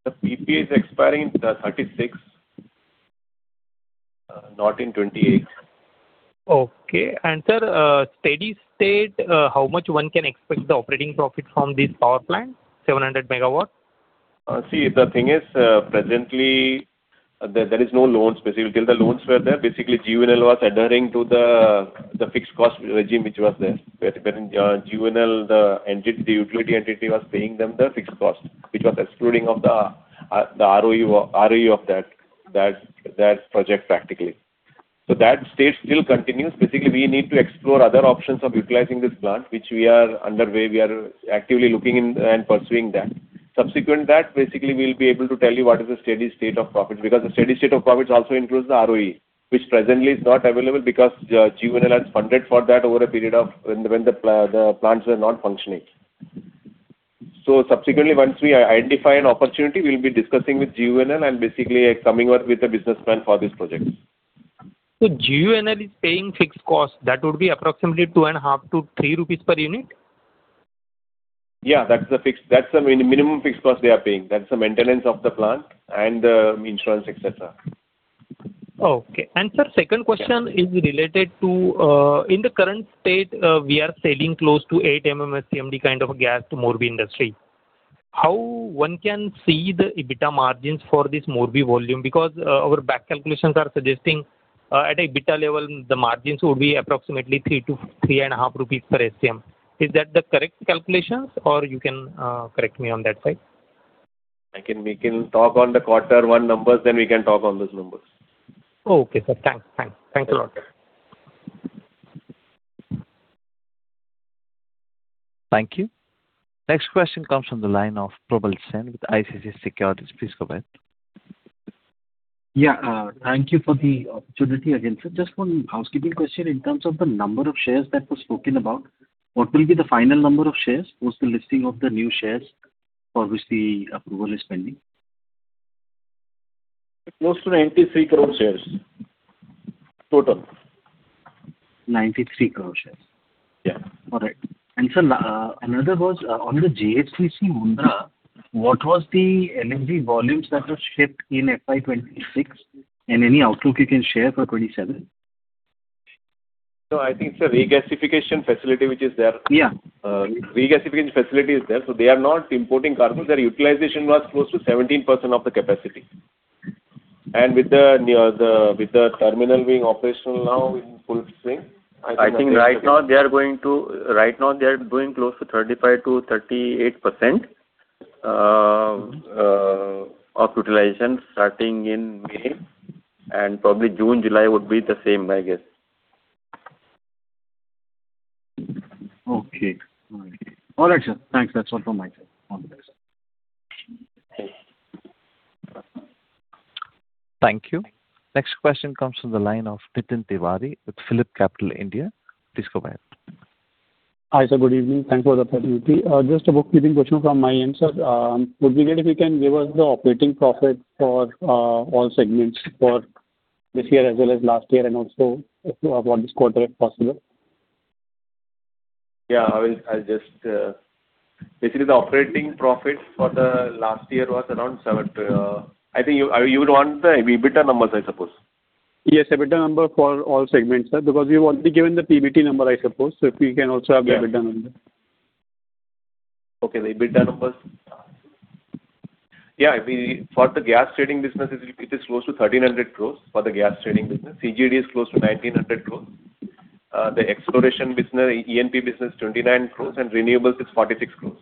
Speaker 5: The PPA is expiring in the 2036, not in 2028.
Speaker 12: Okay. Sir, steady state, how much one can expect the operating profit from this power plant, 700 MW?
Speaker 5: See, the thing is, presently there is no loans basically. Till the loans were there, basically GUVNL was adhering to the fixed cost regime which was there, where GUVNL, the utility entity, was paying them the fixed cost, which was excluding of the ROE of that project practically. That stage still continues. Basically, we need to explore other options of utilizing this plant, which we are underway. We are actively looking in and pursuing that. Subsequent that, basically, we'll be able to tell you what is the steady state of profit, because the steady state of profit also includes the ROE, which presently is not available because GUVNL has funded for that over a period of when the plants were not functioning. Subsequently, once we identify an opportunity, we'll be discussing with GUVNL and basically coming up with a business plan for this project.
Speaker 12: GUVNL is paying fixed cost. That would be approximately 2.5-3 rupees per unit?
Speaker 5: Yeah, that's the minimum fixed cost they are paying. That's the maintenance of the plant and insurance, et cetera.
Speaker 12: Okay. Sir, second question is related to, in the current state, we are selling close to 8 MMSCMD kind of gas to Morbi industry. How one can see the EBITDA margins for this Morbi volume? Our back calculations are suggesting at a EBITDA level, the margins would be approximately 3-3.5 rupees per SCM. Is that the correct calculations or you can correct me on that side?
Speaker 5: We can talk on the quarter one numbers, then we can talk on those numbers.
Speaker 12: Okay, sir. Thanks a lot.
Speaker 1: Thank you. Next question comes from the line of Probal Sen with ICICI Securities. Please go ahead.
Speaker 4: Yeah. Thank you for the opportunity again, sir. Just one housekeeping question in terms of the number of shares that was spoken about. What will be the final number of shares post the listing of the new shares for which the approval is pending?
Speaker 5: Close to 93 crore shares total.
Speaker 4: 93 crore shares.
Speaker 5: Yeah.
Speaker 4: All right. Sir, another was on the GSPC LNG Mundra, what was the LNG volumes that were shipped in FY 2026, any outlook you can share for 2027?
Speaker 5: I think it's a regasification facility which is there.
Speaker 4: Yeah.
Speaker 5: Regasification facility is there. They are not importing cargo. Their utilization was close to 17% of the capacity. With the terminal being operational now in full swing, I think right now they are doing close to 35%-38% of utilization starting in May, and probably June, July would be the same, I guess.
Speaker 4: Okay. All right. All right, sir. Thanks. That's all from my side. All the best.
Speaker 1: Thank you. Next question comes from the line of Nitin Tiwari with PhillipCapital India. Please go ahead.
Speaker 13: Hi, sir. Good evening. Thank you for the opportunity. Just a bookkeeping question from my end, sir. Would be great if you can give us the operating profit for all segments for this year as well as last year, and also for this quarter, if possible.
Speaker 5: Yeah. Basically, the operating profit for the last year was around seven I think you would want the EBITDA numbers, I suppose.
Speaker 13: Yes, EBITDA number for all segments, sir. You've already given the PBT number, I suppose, if we can also have the EBITDA number.
Speaker 5: Okay. The EBITDA numbers for the gas trading business, it is close to 1,300 crores for the gas trading business. CGD is close to 1,900 crores. The exploration business, E&P business 29 crores and renewables is 46 crores.
Speaker 13: INR 46 crores.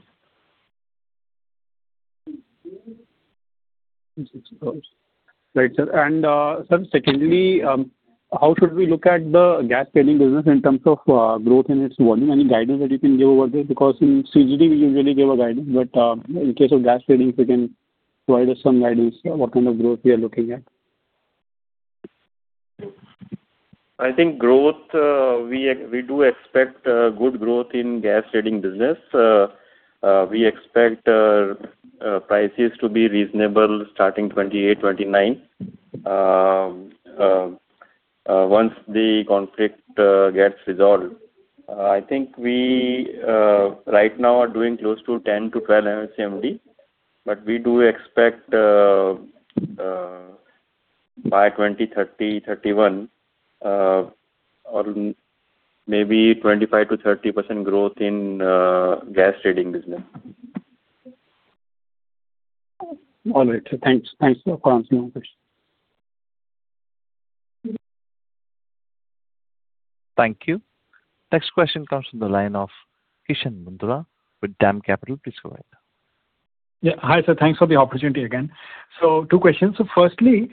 Speaker 13: Right, sir. Sir, secondly, how should we look at the gas trading business in terms of growth in its volume? Any guidance that you can give over this? In CGD we usually give a guidance, but in case of gas trading, if you can provide us some guidance, what kind of growth we are looking at.
Speaker 5: I think we do expect good growth in gas trading business. We expect prices to be reasonable starting 2028, 2029, once the conflict gets resolved. I think we right now are doing close to 10-12 MMSCMD. We do expect, by 2020, 2030, 2031, maybe 25%-30% growth in gas trading business.
Speaker 13: All right, sir. Thanks for answering my question.
Speaker 1: Thank you. Next question comes from the line of Kishan Mundhra with DAM Capital. Please go ahead.
Speaker 7: Hi, sir. Thanks for the opportunity again. Two questions. Firstly,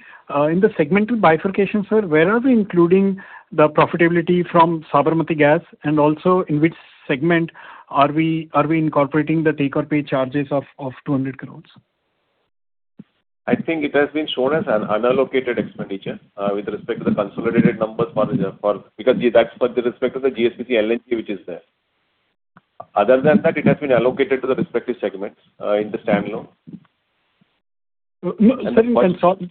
Speaker 7: in the segmental bifurcation, sir, where are we including the profitability from Sabarmati Gas and also in which segment are we incorporating the take-or-pay charges of 200 crores?
Speaker 5: I think it has been shown as an unallocated expenditure with respect to the consolidated numbers, because that's with respect to the GSPC LNG which is there. Other than that, it has been allocated to the respective segments in the standalone.
Speaker 7: Sir, you can-
Speaker 5: The point.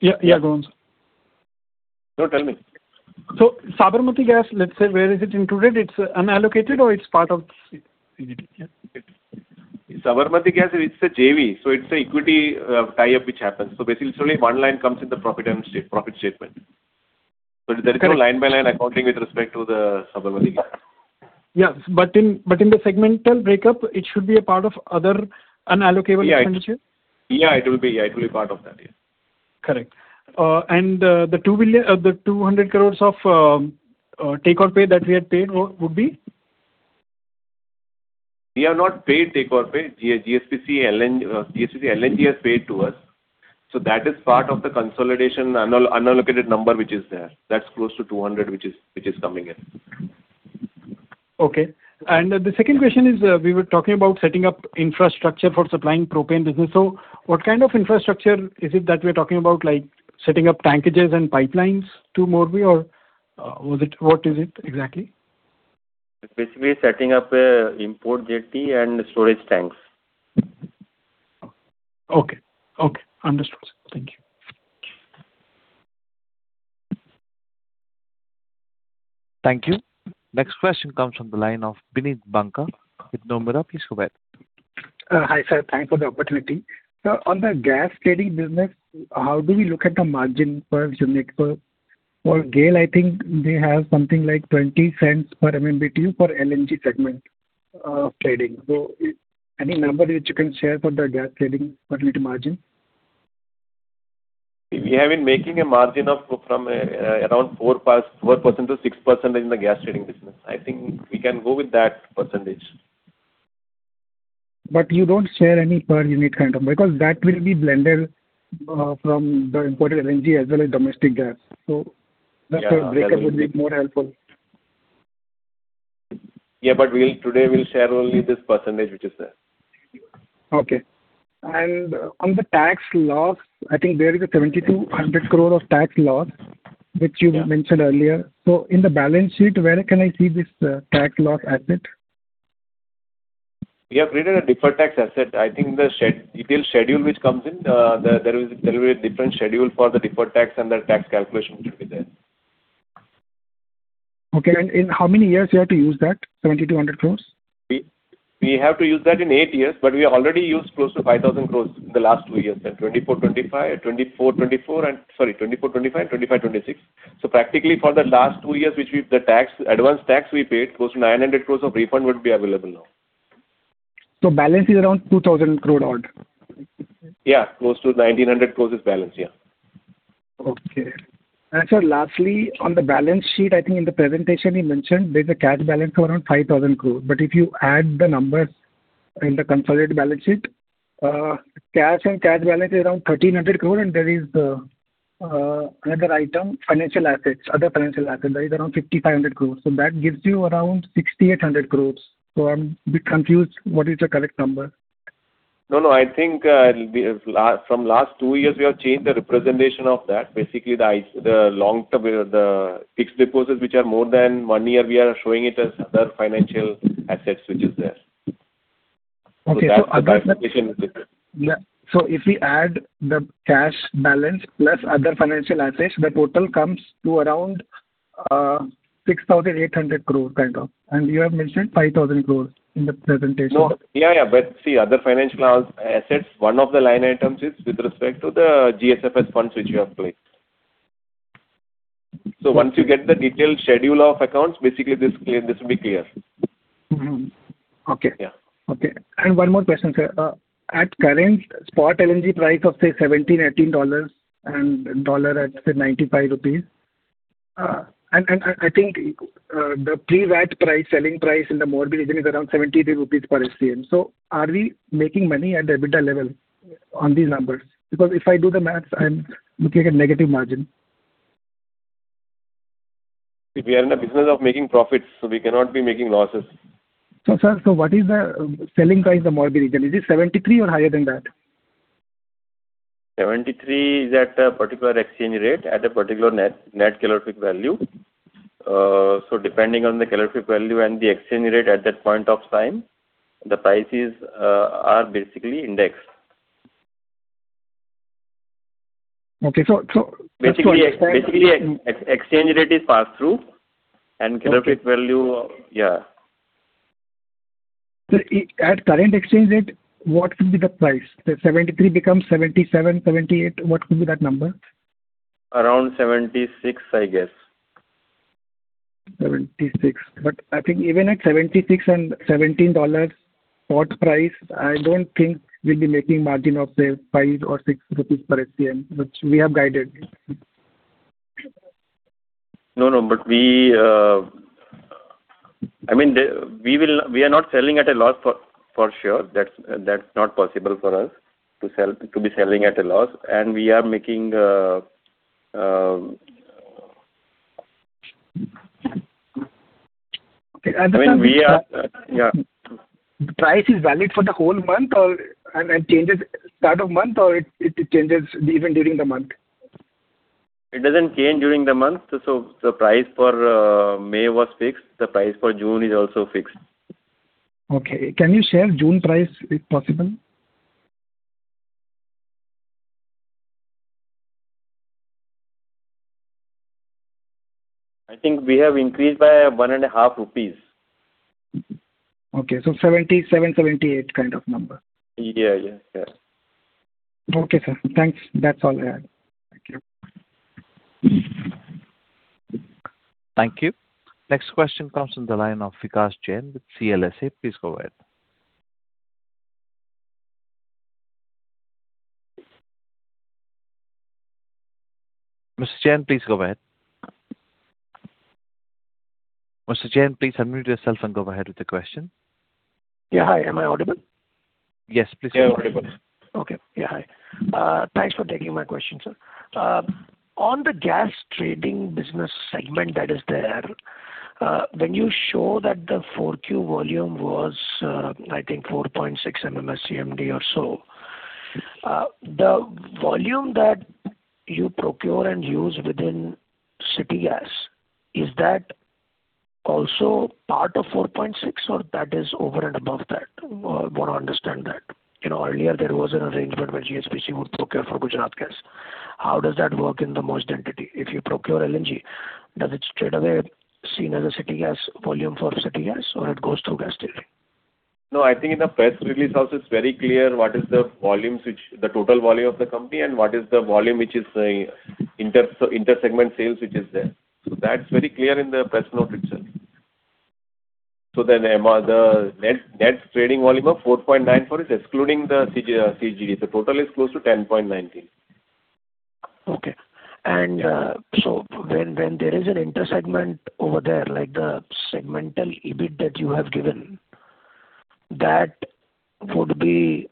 Speaker 7: Yeah, go on, sir.
Speaker 5: No, tell me.
Speaker 7: Sabarmati Gas, let's say, where is it included? It's unallocated or it's part of CGD? Yeah.
Speaker 5: Sabarmati Gas, it's a JV, it's a equity tie-up which happens. Basically, it's only one line comes in the profit statement. There is no line-by-line accounting with respect to the Sabarmati Gas.
Speaker 7: Yeah. In the segmental breakup, it should be a part of other unallocable expenditure.
Speaker 5: Yeah, it will be part of that. Yeah.
Speaker 7: Correct. The 200 crores of take-or-pay that we had paid would be?
Speaker 5: We have not paid take-or-pay. GSPC LNG has paid to us. That is part of the consolidation unallocated number which is there. That's close to 200, which is coming in.
Speaker 7: Okay. The second question is, we were talking about setting up infrastructure for supplying propane business. What kind of infrastructure is it that we're talking about, like setting up tankages and pipelines to Morbi, or what is it exactly?
Speaker 5: Basically, setting up import jetty and storage tanks.
Speaker 7: Okay. Understood, sir. Thank you.
Speaker 1: Thank you. Next question comes from the line of Bineet Banka with Nomura. Please go ahead.
Speaker 14: Hi, sir. Thanks for the opportunity. On the gas trading business, how do we look at the margin per unit? For GAIL, I think they have something like $0.20 per MMBtu for LNG segment trading. Any number that you can share for the gas trading per unit margin?
Speaker 5: We have been making a margin of around 4%-6% in the gas trading business. I think we can go with that percentage.
Speaker 14: You don't share any per unit kind of, because that will be blended from the imported LNG as well as domestic gas.
Speaker 5: Yeah
Speaker 14: That breakup would be more helpful.
Speaker 5: Yeah, today we'll share only this percentage which is there.
Speaker 14: Okay. On the tax loss, I think there is a 7,200 crore of tax loss, which you mentioned earlier. In the balance sheet, where can I see this tax loss asset?
Speaker 5: We have created a deferred tax asset. I think in the detail schedule which comes in, there is a different schedule for the deferred tax and the tax calculation would be there.
Speaker 14: Okay. In how many years you have to use that 7,200 crores?
Speaker 5: We have to use that in eight years, we already used close to 5,000 crores in the last two years, in 2024, 2025 and 2025, 2026. Practically for the last two years, the advance tax we paid, close to 900 crores of refund would be available now.
Speaker 14: Balance is around 2,000 crore odd.
Speaker 5: Yeah. Close to 1,900 crores is balance. Yeah.
Speaker 14: Okay. Sir, lastly, on the balance sheet, I think in the presentation you mentioned there's a cash balance of around 5,000 crore. If you add the numbers in the consolidated balance sheet, cash and cash balance is around 1,300 crore and there is another item, other financial assets that is around 5,500 crores. That gives you around 6,800 crores. I'm a bit confused. What is the correct number?
Speaker 5: No, I think from last two years, we have changed the representation of that. Basically, the fixed deposits which are more than one year, we are showing it as other financial assets, which is there.
Speaker 14: Okay.
Speaker 5: That presentation is different.
Speaker 14: Yeah. If we add the cash balance plus other financial assets, the total comes to around 6,800 crore kind of. You have mentioned 5,000 crore in the presentation.
Speaker 5: No. Yeah. See, other financial assets, one of the line items is with respect to the GSFS funds which we have placed. Once you get the detailed schedule of accounts, basically this will be clear.
Speaker 14: Mm-hmm. Okay.
Speaker 5: Yeah.
Speaker 14: Okay. One more question, sir. At current spot LNG price of say $17, $18 and dollar at say 95 rupees. I think the pre-VAT selling price in the Morbi region is around 73 rupees per SCM. Are we making money at the EBITDA level on these numbers? Because if I do the maths, I'm looking at negative margin.
Speaker 5: We are in the business of making profits, so we cannot be making losses.
Speaker 14: What is the selling price in the Morbi region? Is it 73 or higher than that?
Speaker 5: 73 is at a particular exchange rate at a particular net calorific value. Depending on the calorific value and the exchange rate at that point of time, the prices are basically indexed.
Speaker 14: Okay.
Speaker 5: Basically, exchange rate is passed through and calorific value. Yeah.
Speaker 14: Sir, at current exchange rate, what could be the price? If 73 becomes 77, 78, what could be that number?
Speaker 5: Around 76, I guess.
Speaker 14: I think even at $76 and $17 spot price, I don't think we'll be making margin of say 5 or 6 rupees per SCM, which we have guided.
Speaker 5: No, but we are not selling at a loss, for sure. That's not possible for us to be selling at a loss.
Speaker 14: Price is valid for the whole month or it changes start of month, or it changes even during the month?
Speaker 5: It doesn't change during the month. The price for May was fixed. The price for June is also fixed.
Speaker 14: Okay. Can you share June price, if possible?
Speaker 5: I think we have increased by 1.5 rupees.
Speaker 14: Okay, 77, 78 kind of number.
Speaker 5: Yeah.
Speaker 14: Okay, sir. Thanks. That's all I had. Thank you.
Speaker 1: Thank you. Next question comes from the line of Vikas Jain with CLSA. Please go ahead. Mr. Jain, please go ahead. Mr. Jain, please unmute yourself and go ahead with the question.
Speaker 15: Yeah, hi. Am I audible?
Speaker 1: Yes, please proceed.
Speaker 5: You're audible.
Speaker 15: Okay. Yeah, hi. Thanks for taking my question, sir. On the gas trading business segment that is there, when you show that the 4Q volume was, I think 4.6 MMSCMD or so. The volume that you procure and use within city gas, is that also part of 4.6 MMSCMD or that is over and above that? I want to understand that. Earlier there was an arrangement where GSPC would procure for Gujarat Gas. How does that work in the merged entity? If you procure LNG, does it straightaway seen as a volume for city gas or it goes through gas trading?
Speaker 5: I think in the press release also it's very clear what is the total volume of the company and what is the volume which is inter-segment sales which is there. That's very clear in the press note itself. The net trading volume of 4.94 is excluding the CGD. The total is close to 10.19.
Speaker 15: Okay. When there is an inter-segment over there, like the segmental EBIT that you have given, that would be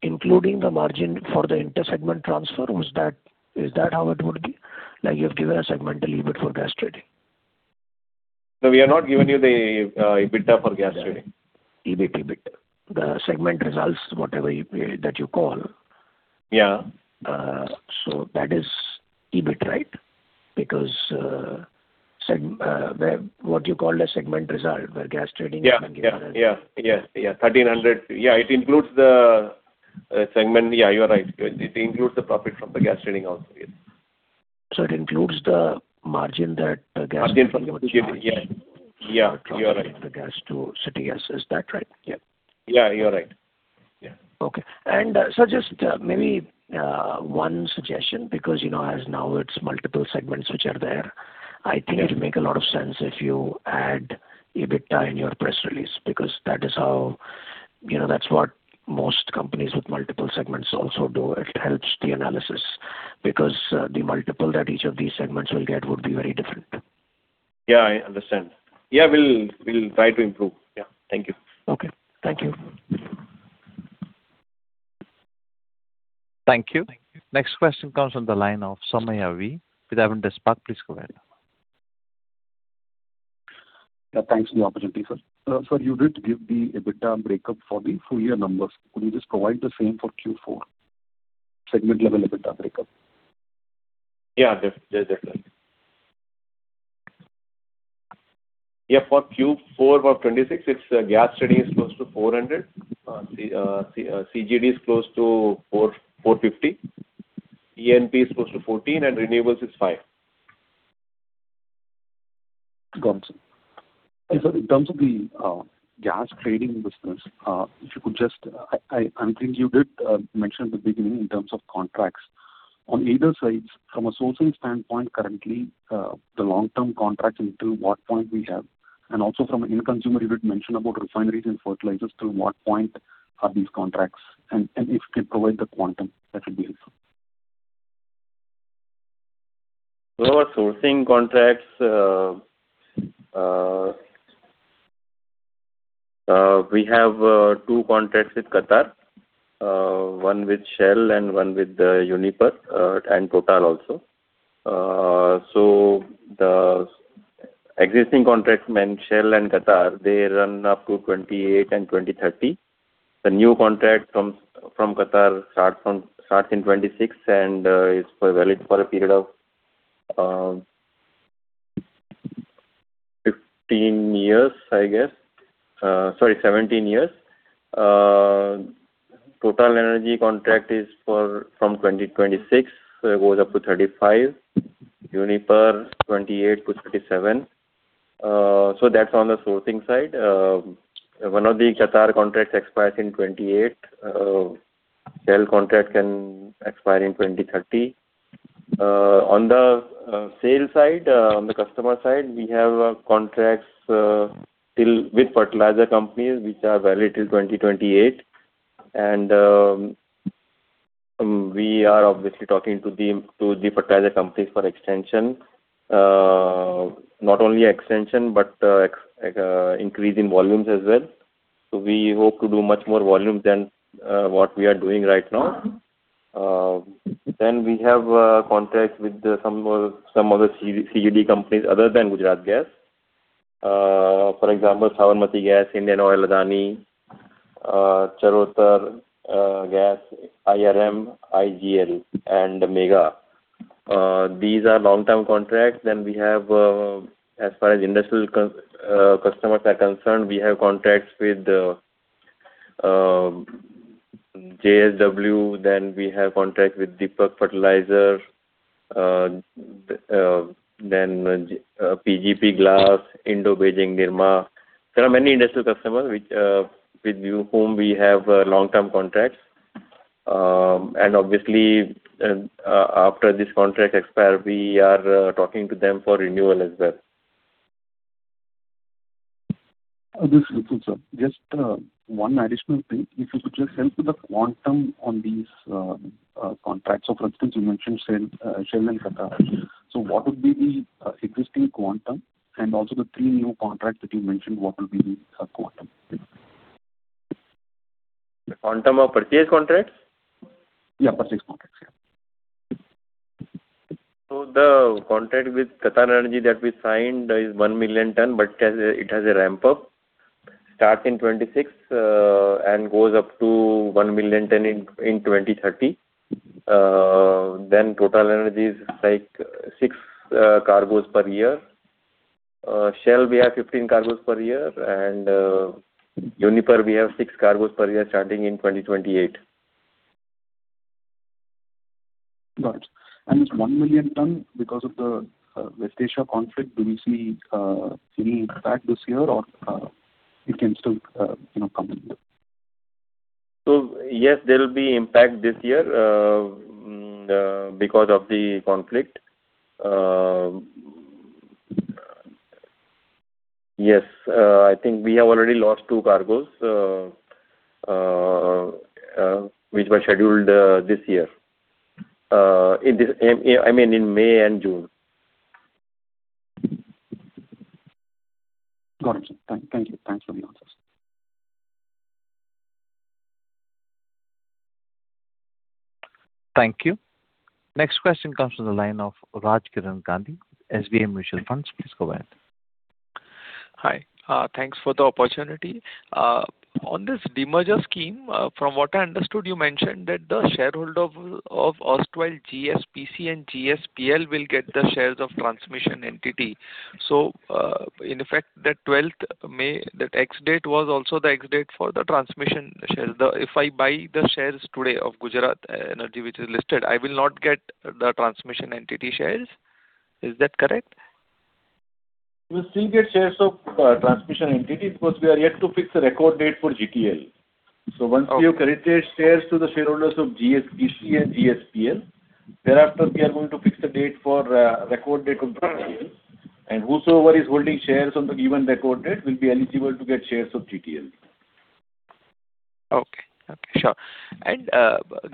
Speaker 15: including the margin for the inter-segment transfer. Is that how it would be? Like you have given a segmental EBIT for gas trading.
Speaker 5: No, we have not given you the EBITDA for gas trading.
Speaker 15: EBIT. The segment results, whatever that you call.
Speaker 5: Yeah.
Speaker 15: That is EBIT, right?
Speaker 5: Yeah. 1,300. Yeah, it includes the segment. Yeah, you are right. It includes the profit from the gas trading also. Yeah.
Speaker 15: It includes the margin that gas.
Speaker 5: Margin from the yeah. You are right
Speaker 15: The gas to city gas. Is that right? Yeah.
Speaker 5: Yeah, you're right. Yeah.
Speaker 15: Okay. Just maybe one suggestion, because as now it's multiple segments which are there. I think it'll make a lot of sense if you add EBITDA in your press release, because that's what most companies with multiple segments also do. It helps the analysis because the multiple that each of these segments will get would be very different.
Speaker 5: Yeah, I understand. Yeah, we'll try to improve. Yeah. Thank you.
Speaker 15: Okay. Thank you.
Speaker 1: Thank you. Next question comes from the line of Somaiah V with Avendus Spark. Please go ahead.
Speaker 16: Yeah, thanks for the opportunity, sir. Sir, you did give the EBITDA breakup for the full year numbers. Could you just provide the same for Q4? Segment level EBITDA breakup.
Speaker 5: Yeah, definitely. Yeah, for Q4 of 2026, its gas trading is close to 400. CGD is close to 450. E&P is close to 14 and renewables is five.
Speaker 16: Got it, sir. In terms of the gas trading business, I think you did mention at the beginning in terms of contracts. On either sides, from a sourcing standpoint currently, the long-term contracts until what point we have, and also from an end consumer, you did mention about refineries and fertilizers. Till what point are these contracts? If you could provide the quantum, that would be helpful.
Speaker 5: Our sourcing contracts, we have two contracts with Qatar, one with Shell and one with Uniper, and Total also. The existing contracts with Shell and Qatar, they run up to 2028 and 2030. The new contract from Qatar starts in 2026 and is valid for a period of 15 years, I guess. Sorry, 17 years. TotalEnergies contract is from 2026, it goes up to 2035. Uniper, 2028 to 2037. That's on the sourcing side. One of the Qatar contracts expires in 2028. Shell contract can expire in 2030. On the sales side, on the customer side, we have contracts still with fertilizer companies which are valid till 2028. We are obviously talking to the fertilizer companies for extension. Not only extension, but increase in volumes as well. We hope to do much more volume than what we are doing right now. We have contracts with some other CGD companies other than Gujarat Gas. For example, Sabarmati Gas, Indian Oil Adani, Charotar Gas, IRM, IGL, and Mega. These are long-term contracts. As far as industrial customers are concerned, we have contracts with JSW, we have contract with Deepak Fertilizer, PGP Glass, Indo-German Nirma. There are many industrial customers with whom we have long-term contracts. Obviously, after this contract expires, we are talking to them for renewal as well.
Speaker 16: That's helpful, sir. Just one additional thing. If you could just help with the quantum on these contracts. For instance, you mentioned Shell and Qatar. What would be the existing quantum, and also the three new contracts that you mentioned, what will be the quantum?
Speaker 5: The quantum of purchase contracts?
Speaker 16: Yeah, purchase contracts.
Speaker 5: The contract with QatarEnergy that we signed is 1 million ton, but it has a ramp up. Starts in 2026, and goes up to 1 million ton in 2030. TotalEnergies is six cargoes per year. Shell, we have 15 cargoes per year, and Uniper we have six cargoes per year starting in 2028.
Speaker 16: Got it. This 1 million ton because of the West Asia conflict, do we see any impact this year or it can still come in here?
Speaker 5: Yes, there will be impact this year because of the conflict. Yes, I think we have already lost two cargoes, which were scheduled this year, I mean, in May and June.
Speaker 16: Got it, sir. Thank you. Thanks for the answers.
Speaker 1: Thank you. Next question comes from the line of Raj Kiran Gandhi, SBI Mutual Fund. Please go ahead.
Speaker 17: Hi. Thanks for the opportunity. On this demerger scheme, from what I understood, you mentioned that the shareholder of erstwhile GSPC and GSPL will get the shares of transmission entity. In effect, that 12th May, that ex-date was also the ex-date for the transmission shares. If I buy the shares today of Gujarat Energy, which is listed, I will not get the transmission entity shares. Is that correct?
Speaker 5: You will still get shares of transmission entity because we are yet to fix a record date for GTL. Once we have credited shares to the shareholders of GSPC and GSPL, thereafter, we are going to fix the date for record date of GTL. Whosoever is holding shares on the given record date will be eligible to get shares of GTL.
Speaker 17: Okay. Sure.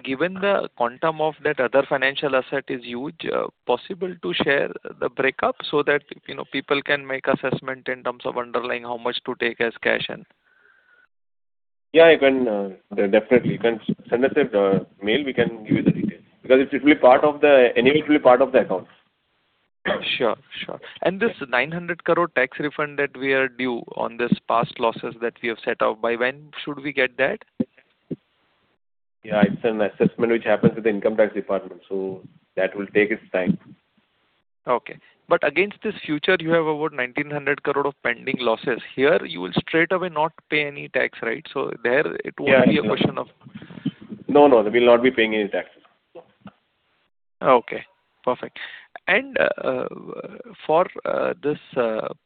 Speaker 17: Given the quantum of that other financial asset is huge, possible to share the breakup so that people can make assessment in terms of underlying how much to take as cash in?
Speaker 5: Yeah, definitely. You can send us a mail, we can give you the details. Because anyway, it's part of the accounts.
Speaker 17: Sure. This 900 crore tax refund that we are due on this past losses that we have set out, by when should we get that?
Speaker 5: Yeah, it's an assessment which happens with the income tax department. That will take its time.
Speaker 17: Okay. Against this future, you have about 1,900 crore of pending losses here. You will straight away not pay any tax, right? There it won't be a question of.
Speaker 5: No, we'll not be paying any tax.
Speaker 17: Okay, perfect. For this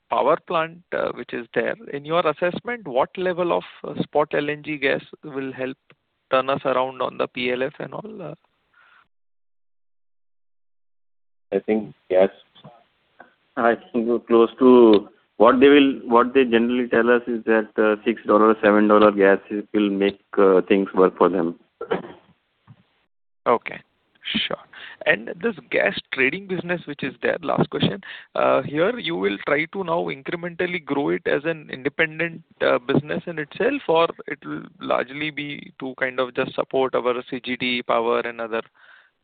Speaker 17: power plant which is there, in your assessment, what level of spot LNG gas will help turn us around on the PLF and all?
Speaker 5: I think close to what they generally tell us is that INR 6, INR 7 gas will make things work for them.
Speaker 17: Okay, sure. This gas trading business which is there, last question. Here you will try to now incrementally grow it as an independent business in itself, or it will largely be to just support our CGD power and other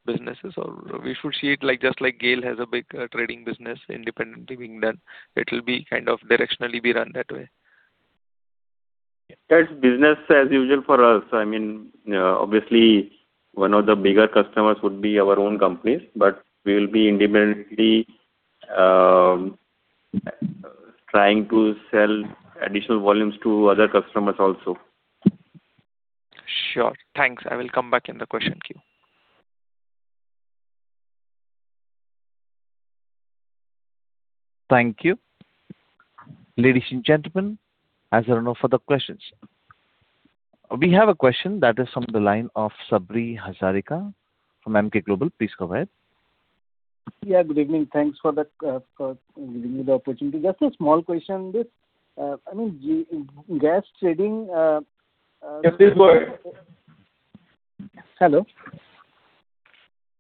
Speaker 17: businesses? We should see it just like GAIL has a big trading business independently being done. It will be directionally be run that way.
Speaker 5: That's business as usual for us. Obviously, one of the bigger customers would be our own companies, but we will be independently trying to sell additional volumes to other customers also.
Speaker 17: Sure. Thanks. I will come back in the question queue.
Speaker 1: Thank you. Ladies and gentlemen, as there are no further questions, we have a question that is from the line of Sabri Hazarika from Emkay Global. Please go ahead.
Speaker 18: Yeah, good evening. Thanks for giving me the opportunity. Just a small question.
Speaker 5: Yes, please go ahead.
Speaker 18: Hello,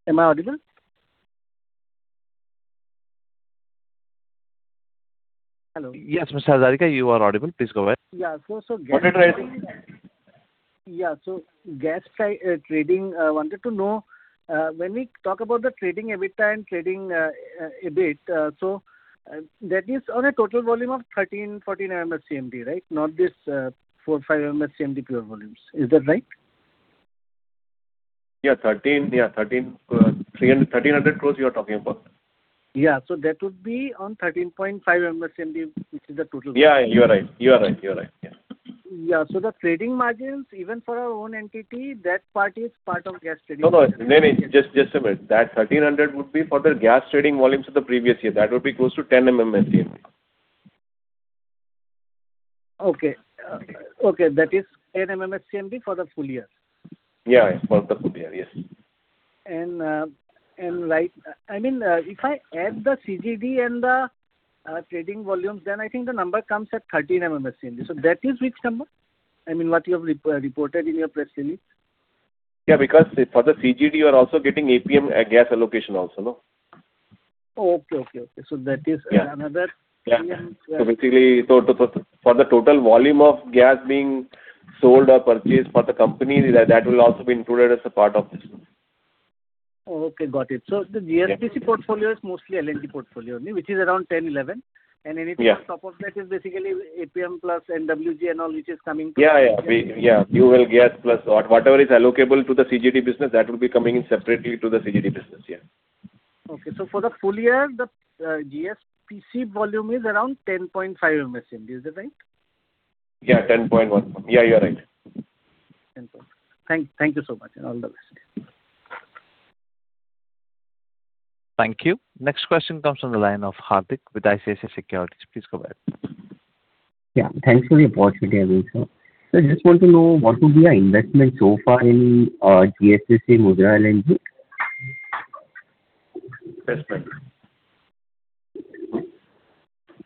Speaker 18: am I audible? Hello.
Speaker 1: Yes, Mr. Hazarika, you are audible. Please go ahead.
Speaker 18: Yeah.
Speaker 1: What address?
Speaker 18: Yeah. Gas trading, I wanted to know, when we talk about the trading EBITDA and trading EBIT, that is on a total volume of 13, 14 MMSCMD, right? Not this four, 5 MMSCMD pure volumes. Is that right?
Speaker 5: Yeah, 1,300 crores you are talking about.
Speaker 18: Yeah. That would be on 13.5 MMSCMD, which is the total.
Speaker 5: Yeah, you are right.
Speaker 18: Yeah. The trading margins, even for our own entity, that part is part of gas trading.
Speaker 5: No. Just a minute. That INR 1,300 would be for the gas trading volumes of the previous year. That would be close to 10 MMSCMD.
Speaker 18: Okay. That is 10 MMSCMD for the full year.
Speaker 5: Yeah, for the full year. Yes.
Speaker 18: If I add the CGD and the trading volumes, I think the number comes at 13 MMSCMD. That is which number? What you have reported in your press release?
Speaker 5: Yeah, because for the CGD, you are also getting APM gas allocation also, no?
Speaker 18: Oh, okay.
Speaker 5: Basically, for the total volume of gas being sold or purchased for the company, that will also be included as a part of this.
Speaker 18: Okay, got it. The GSPC portfolio is mostly LNG portfolio only, which is around 10-11.
Speaker 5: Yeah.
Speaker 18: Anything on top of that is basically APM plus NWG and all, which is coming from.
Speaker 5: Yeah. UL gas plus whatever is allocable to the CGD business, that will be coming in separately to the CGD business. Yeah.
Speaker 18: Okay. For the full year, the GSPP volume is around 10.5 MMSCMD. Is that right?
Speaker 5: Yeah, 10.1 MMSCMD. You are right.
Speaker 18: Thank you so much, and all the best.
Speaker 1: Thank you. Next question comes from the line of Hardik with ICICI Securities. Please go ahead.
Speaker 6: Yeah. Thanks for the opportunity, Anil sir. Sir, just want to know what would be your investment so far in GSPC Mundra LNG?
Speaker 5: Investment.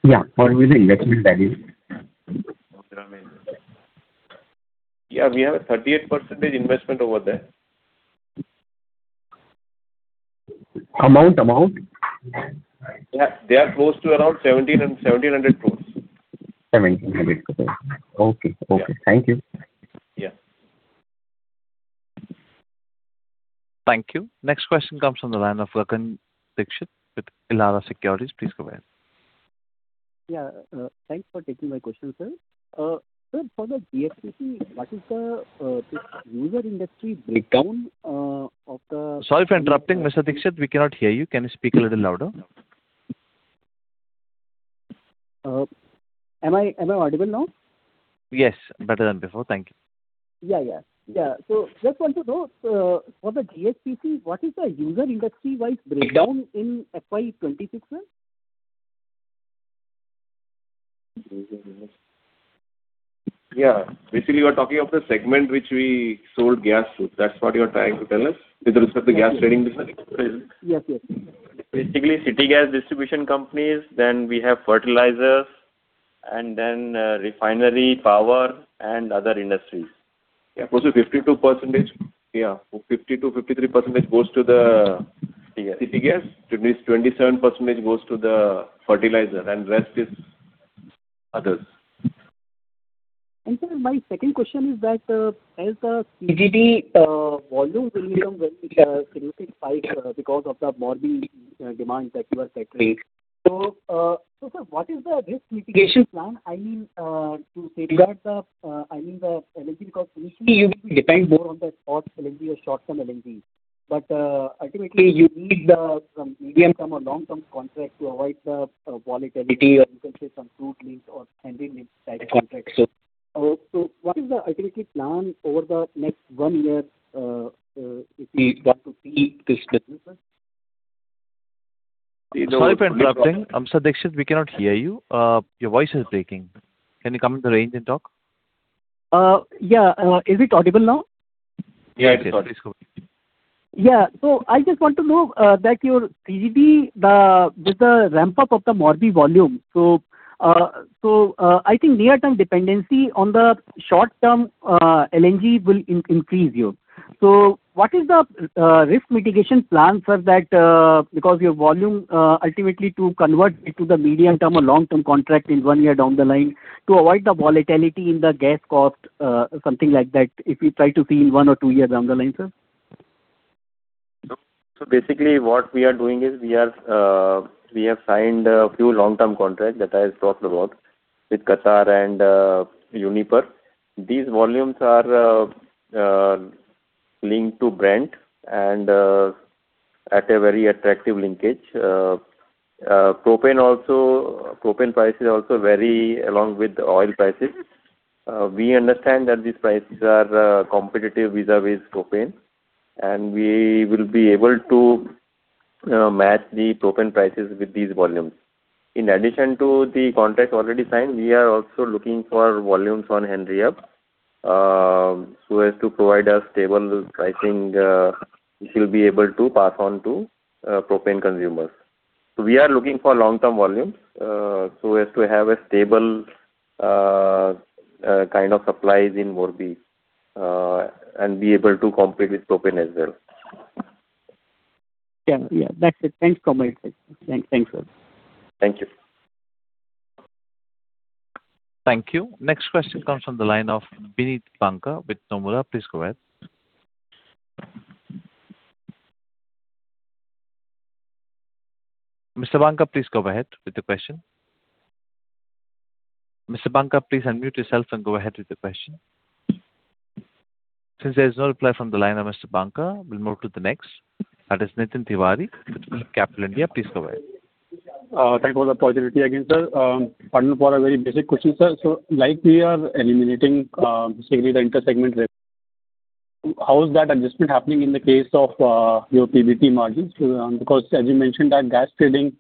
Speaker 6: Yeah, what will be the investment value?
Speaker 5: Yeah, we have a 38% investment over there.
Speaker 6: Amount?
Speaker 5: They are close to around 1,700 crores.
Speaker 6: 1,700 crores. Okay.
Speaker 5: Yeah.
Speaker 6: Thank you.
Speaker 5: Yeah.
Speaker 1: Thank you. Next question comes from the line of Rakesh Dixit with Elara Securities. Please go ahead.
Speaker 19: Yeah. Thanks for taking my question, sir. Sir, for the GPPC, what is the user industry breakdown of the-
Speaker 1: Sorry for interrupting, Mr. Dixit. We cannot hear you. Can you speak a little louder?
Speaker 19: Am I audible now?
Speaker 1: Yes. Better than before. Thank you.
Speaker 19: Yeah. Just want to know, for the GPPC, what is the user industry-wise breakdown in FY 2026, sir?
Speaker 5: Yeah. Basically, you're talking of the segment which we sold gas to. That's what you're trying to tell us with respect to gas trading business?
Speaker 19: Yes.
Speaker 5: Basically, city gas distribution companies, then we have fertilizers, and then refinery, power, and other industries. Yeah. Close to 52%. 50%-53% goes to the city gas. It means 27% goes to the fertilizer, and rest is others.
Speaker 19: Sir, my second question is that as the CGD volumes will become very specific spike because of the Morbi demands that you are factoring. Sir, what is the risk mitigation plan? To safeguard the LNG, because initially you will be depend more on the spot LNG or short-term LNG. Ultimately you need some medium-term or long-term contract to avoid the volatility or you can say some floating links or pending link type contracts. What is the, I think, plan over the next one year, if we got to see?
Speaker 1: Sorry for interrupting. Rakesh, we cannot hear you. Your voice is breaking. Can you come in the range and talk?
Speaker 19: Yeah. Is it audible now?
Speaker 5: Yeah, it is. Yeah, it's good.
Speaker 19: Yeah. I just want to know that your CGD, with the ramp-up of the Morbi volume. I think near-term dependency on the short-term LNG will increase you. What is the risk mitigation plan for that, because your volume ultimately to convert into the medium-term or long-term contract in one year down the line to avoid the volatility in the gas cost, something like that, if you try to see in one or two years down the line, sir?
Speaker 5: Basically what we are doing is we have signed a few long-term contracts that I have talked about with Qatar and Uniper. These volumes are linked to Brent and at a very attractive linkage. Propane prices also vary along with oil prices. We understand that these prices are competitive vis-à-vis propane, and we will be able to match the propane prices with these volumes. In addition to the contracts already signed, we are also looking for volumes on Henry Hub, so as to provide a stable pricing which we'll be able to pass on to propane consumers. We are looking for long-term volumes so as to have a stable kind of supplies in Morbi, and be able to compete with propane as well.
Speaker 19: Yeah. That's it. Thanks for your comments. Thanks, sir.
Speaker 5: Thank you.
Speaker 1: Thank you. Next question comes from the line of Bineet Banka with Nomura. Please go ahead. Mr. Banka, please go ahead with the question. Mr. Banka, please unmute yourself and go ahead with the question. Since there is no reply from the line of Mr. Banka, we will move to the next. That is Nitin Tiwari with PhillipCapital India. Please go ahead.
Speaker 13: Thank you for the opportunity again, sir. Pardon for a very basic question, sir. Like we are eliminating basically the inter-segment risk, how is that adjustment happening in the case of your PBT margins? As you mentioned that gas trading,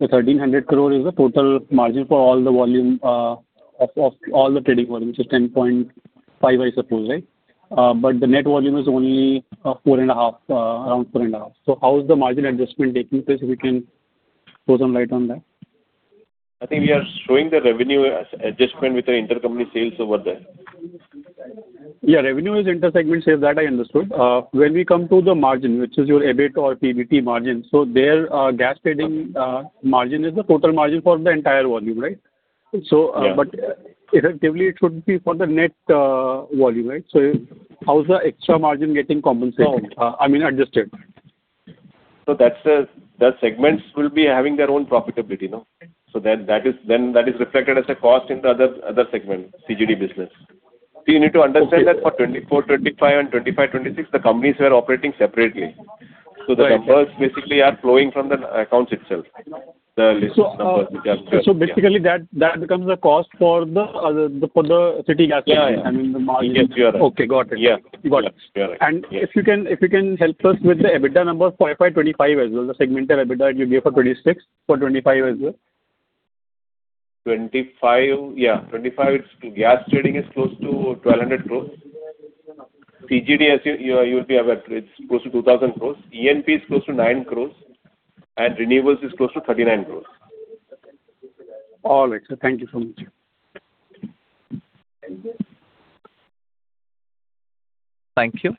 Speaker 13: the 1,300 crore is the total margin for all the trading volume, which is 10.5, I suppose, right? The net volume is only around 4.5. How is the margin adjustment taking place, if you can throw some light on that?
Speaker 5: I think we are showing the revenue adjustment with the intercompany sales over there.
Speaker 13: Yeah, revenue is inter-segment sales. That I understood. When we come to the margin, which is your EBIT or PBT margin, there gas trading margin is the total margin for the entire volume, right?
Speaker 5: Yeah.
Speaker 13: Effectively, it should be for the net volume, right? How is the extra margin getting compensated?
Speaker 5: No.
Speaker 13: I mean, adjusted.
Speaker 5: The segments will be having their own profitability. Okay.
Speaker 13: That is reflected as a cost in the other segment, CGD business. Okay.
Speaker 5: You need to understand that for 2024/2025 and 2025/2026, the companies were operating separately. The numbers basically are flowing from the accounts itself, the listed numbers which are there.
Speaker 13: Basically, that becomes a cost for the city gas.
Speaker 5: Yeah.
Speaker 13: I mean, the margin.
Speaker 5: Yes, you are right.
Speaker 13: Okay, got it.
Speaker 5: Yeah.
Speaker 13: Got it.
Speaker 5: Yes, you are right. Yeah.
Speaker 13: If you can help us with the EBITDA number for 2025 as well, the segmental EBITDA you gave for 2026, for 2025 as well.
Speaker 5: Yeah, 25, gas trading is close to 1,200 crores. CGD, you would be aware, it's close to 2,000 crores. E&P is close to 9 crores, and renewables is close to 39 crores.
Speaker 13: All right, sir. Thank you so much.
Speaker 1: Thank you. Thank you.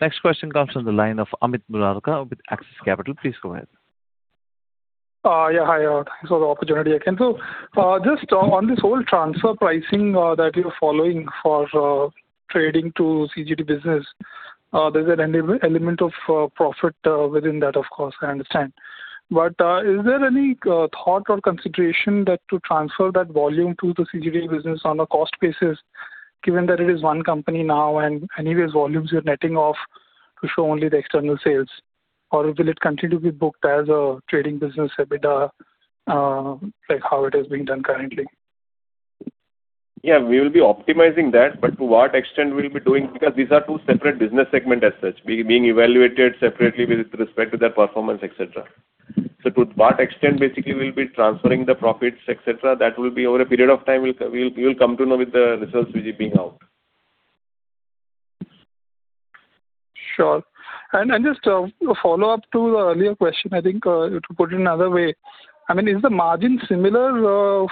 Speaker 1: Next question comes from the line of Amit Murarka with Axis Capital. Please go ahead.
Speaker 10: Yeah. Hi. Thanks for the opportunity again. Just on this whole transfer pricing that you're following for trading to CGD business, there's an element of profit within that, of course, I understand. Is there any thought or consideration that to transfer that volume to the CGD business on a cost basis, given that it is one company now and anyways volumes you're netting off to show only the external sales? Will it continue to be booked as a trading business EBITDA, like how it is being done currently?
Speaker 5: Yeah, we will be optimizing that, to what extent we'll be doing, because these are two separate business segment as such, being evaluated separately with respect to their performance, et cetera. To what extent basically we'll be transferring the profits, et cetera, that will be over a period of time, you'll come to know with the results which is being out.
Speaker 10: Sure. Just a follow-up to the earlier question, I think, to put it another way. Is the margin similar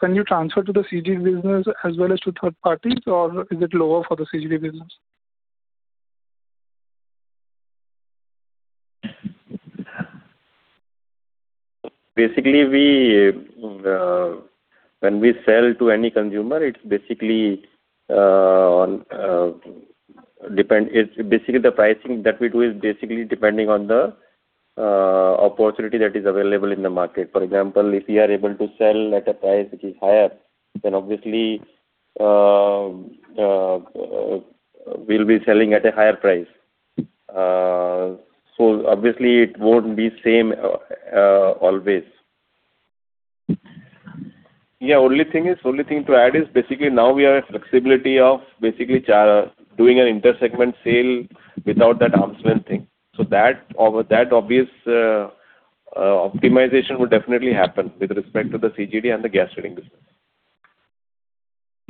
Speaker 10: when you transfer to the CGD business as well as to third parties, or is it lower for the CGD business?
Speaker 5: Basically, when we sell to any consumer, the pricing that we do is basically depending on the opportunity that is available in the market. For example, if we are able to sell at a price which is higher, then obviously we'll be selling at a higher price. Obviously it won't be same always. Only thing to add is basically now we have flexibility of basically doing an inter-segment sale without that arms' length thing. That obvious optimization would definitely happen with respect to the CGD and the gas trading business.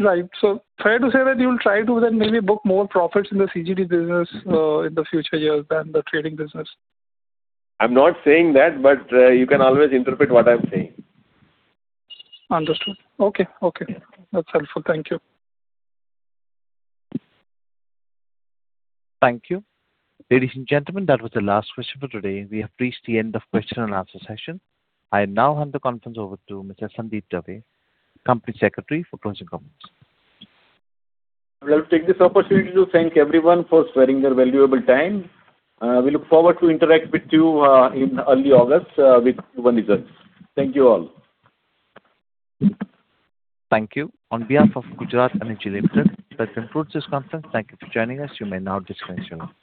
Speaker 10: Fair to say that you'll try to then maybe book more profits in the CGD business in the future years than the trading business?
Speaker 5: I'm not saying that, but you can always interpret what I'm saying.
Speaker 10: Understood. Okay. That's helpful. Thank you.
Speaker 1: Thank you. Ladies and gentlemen, that was the last question for today. We have reached the end of question and answer session. I now hand the conference over to Mr. Sandeep Dave, Company Secretary for closing comments.
Speaker 2: Well, I'll take this opportunity to thank everyone for sparing their valuable time. We look forward to interact with you in early August with Q1 results. Thank you all.
Speaker 1: Thank you. On behalf of Gujarat Energy Limited, that concludes this conference. Thank you for joining us. You may now disconnect your line.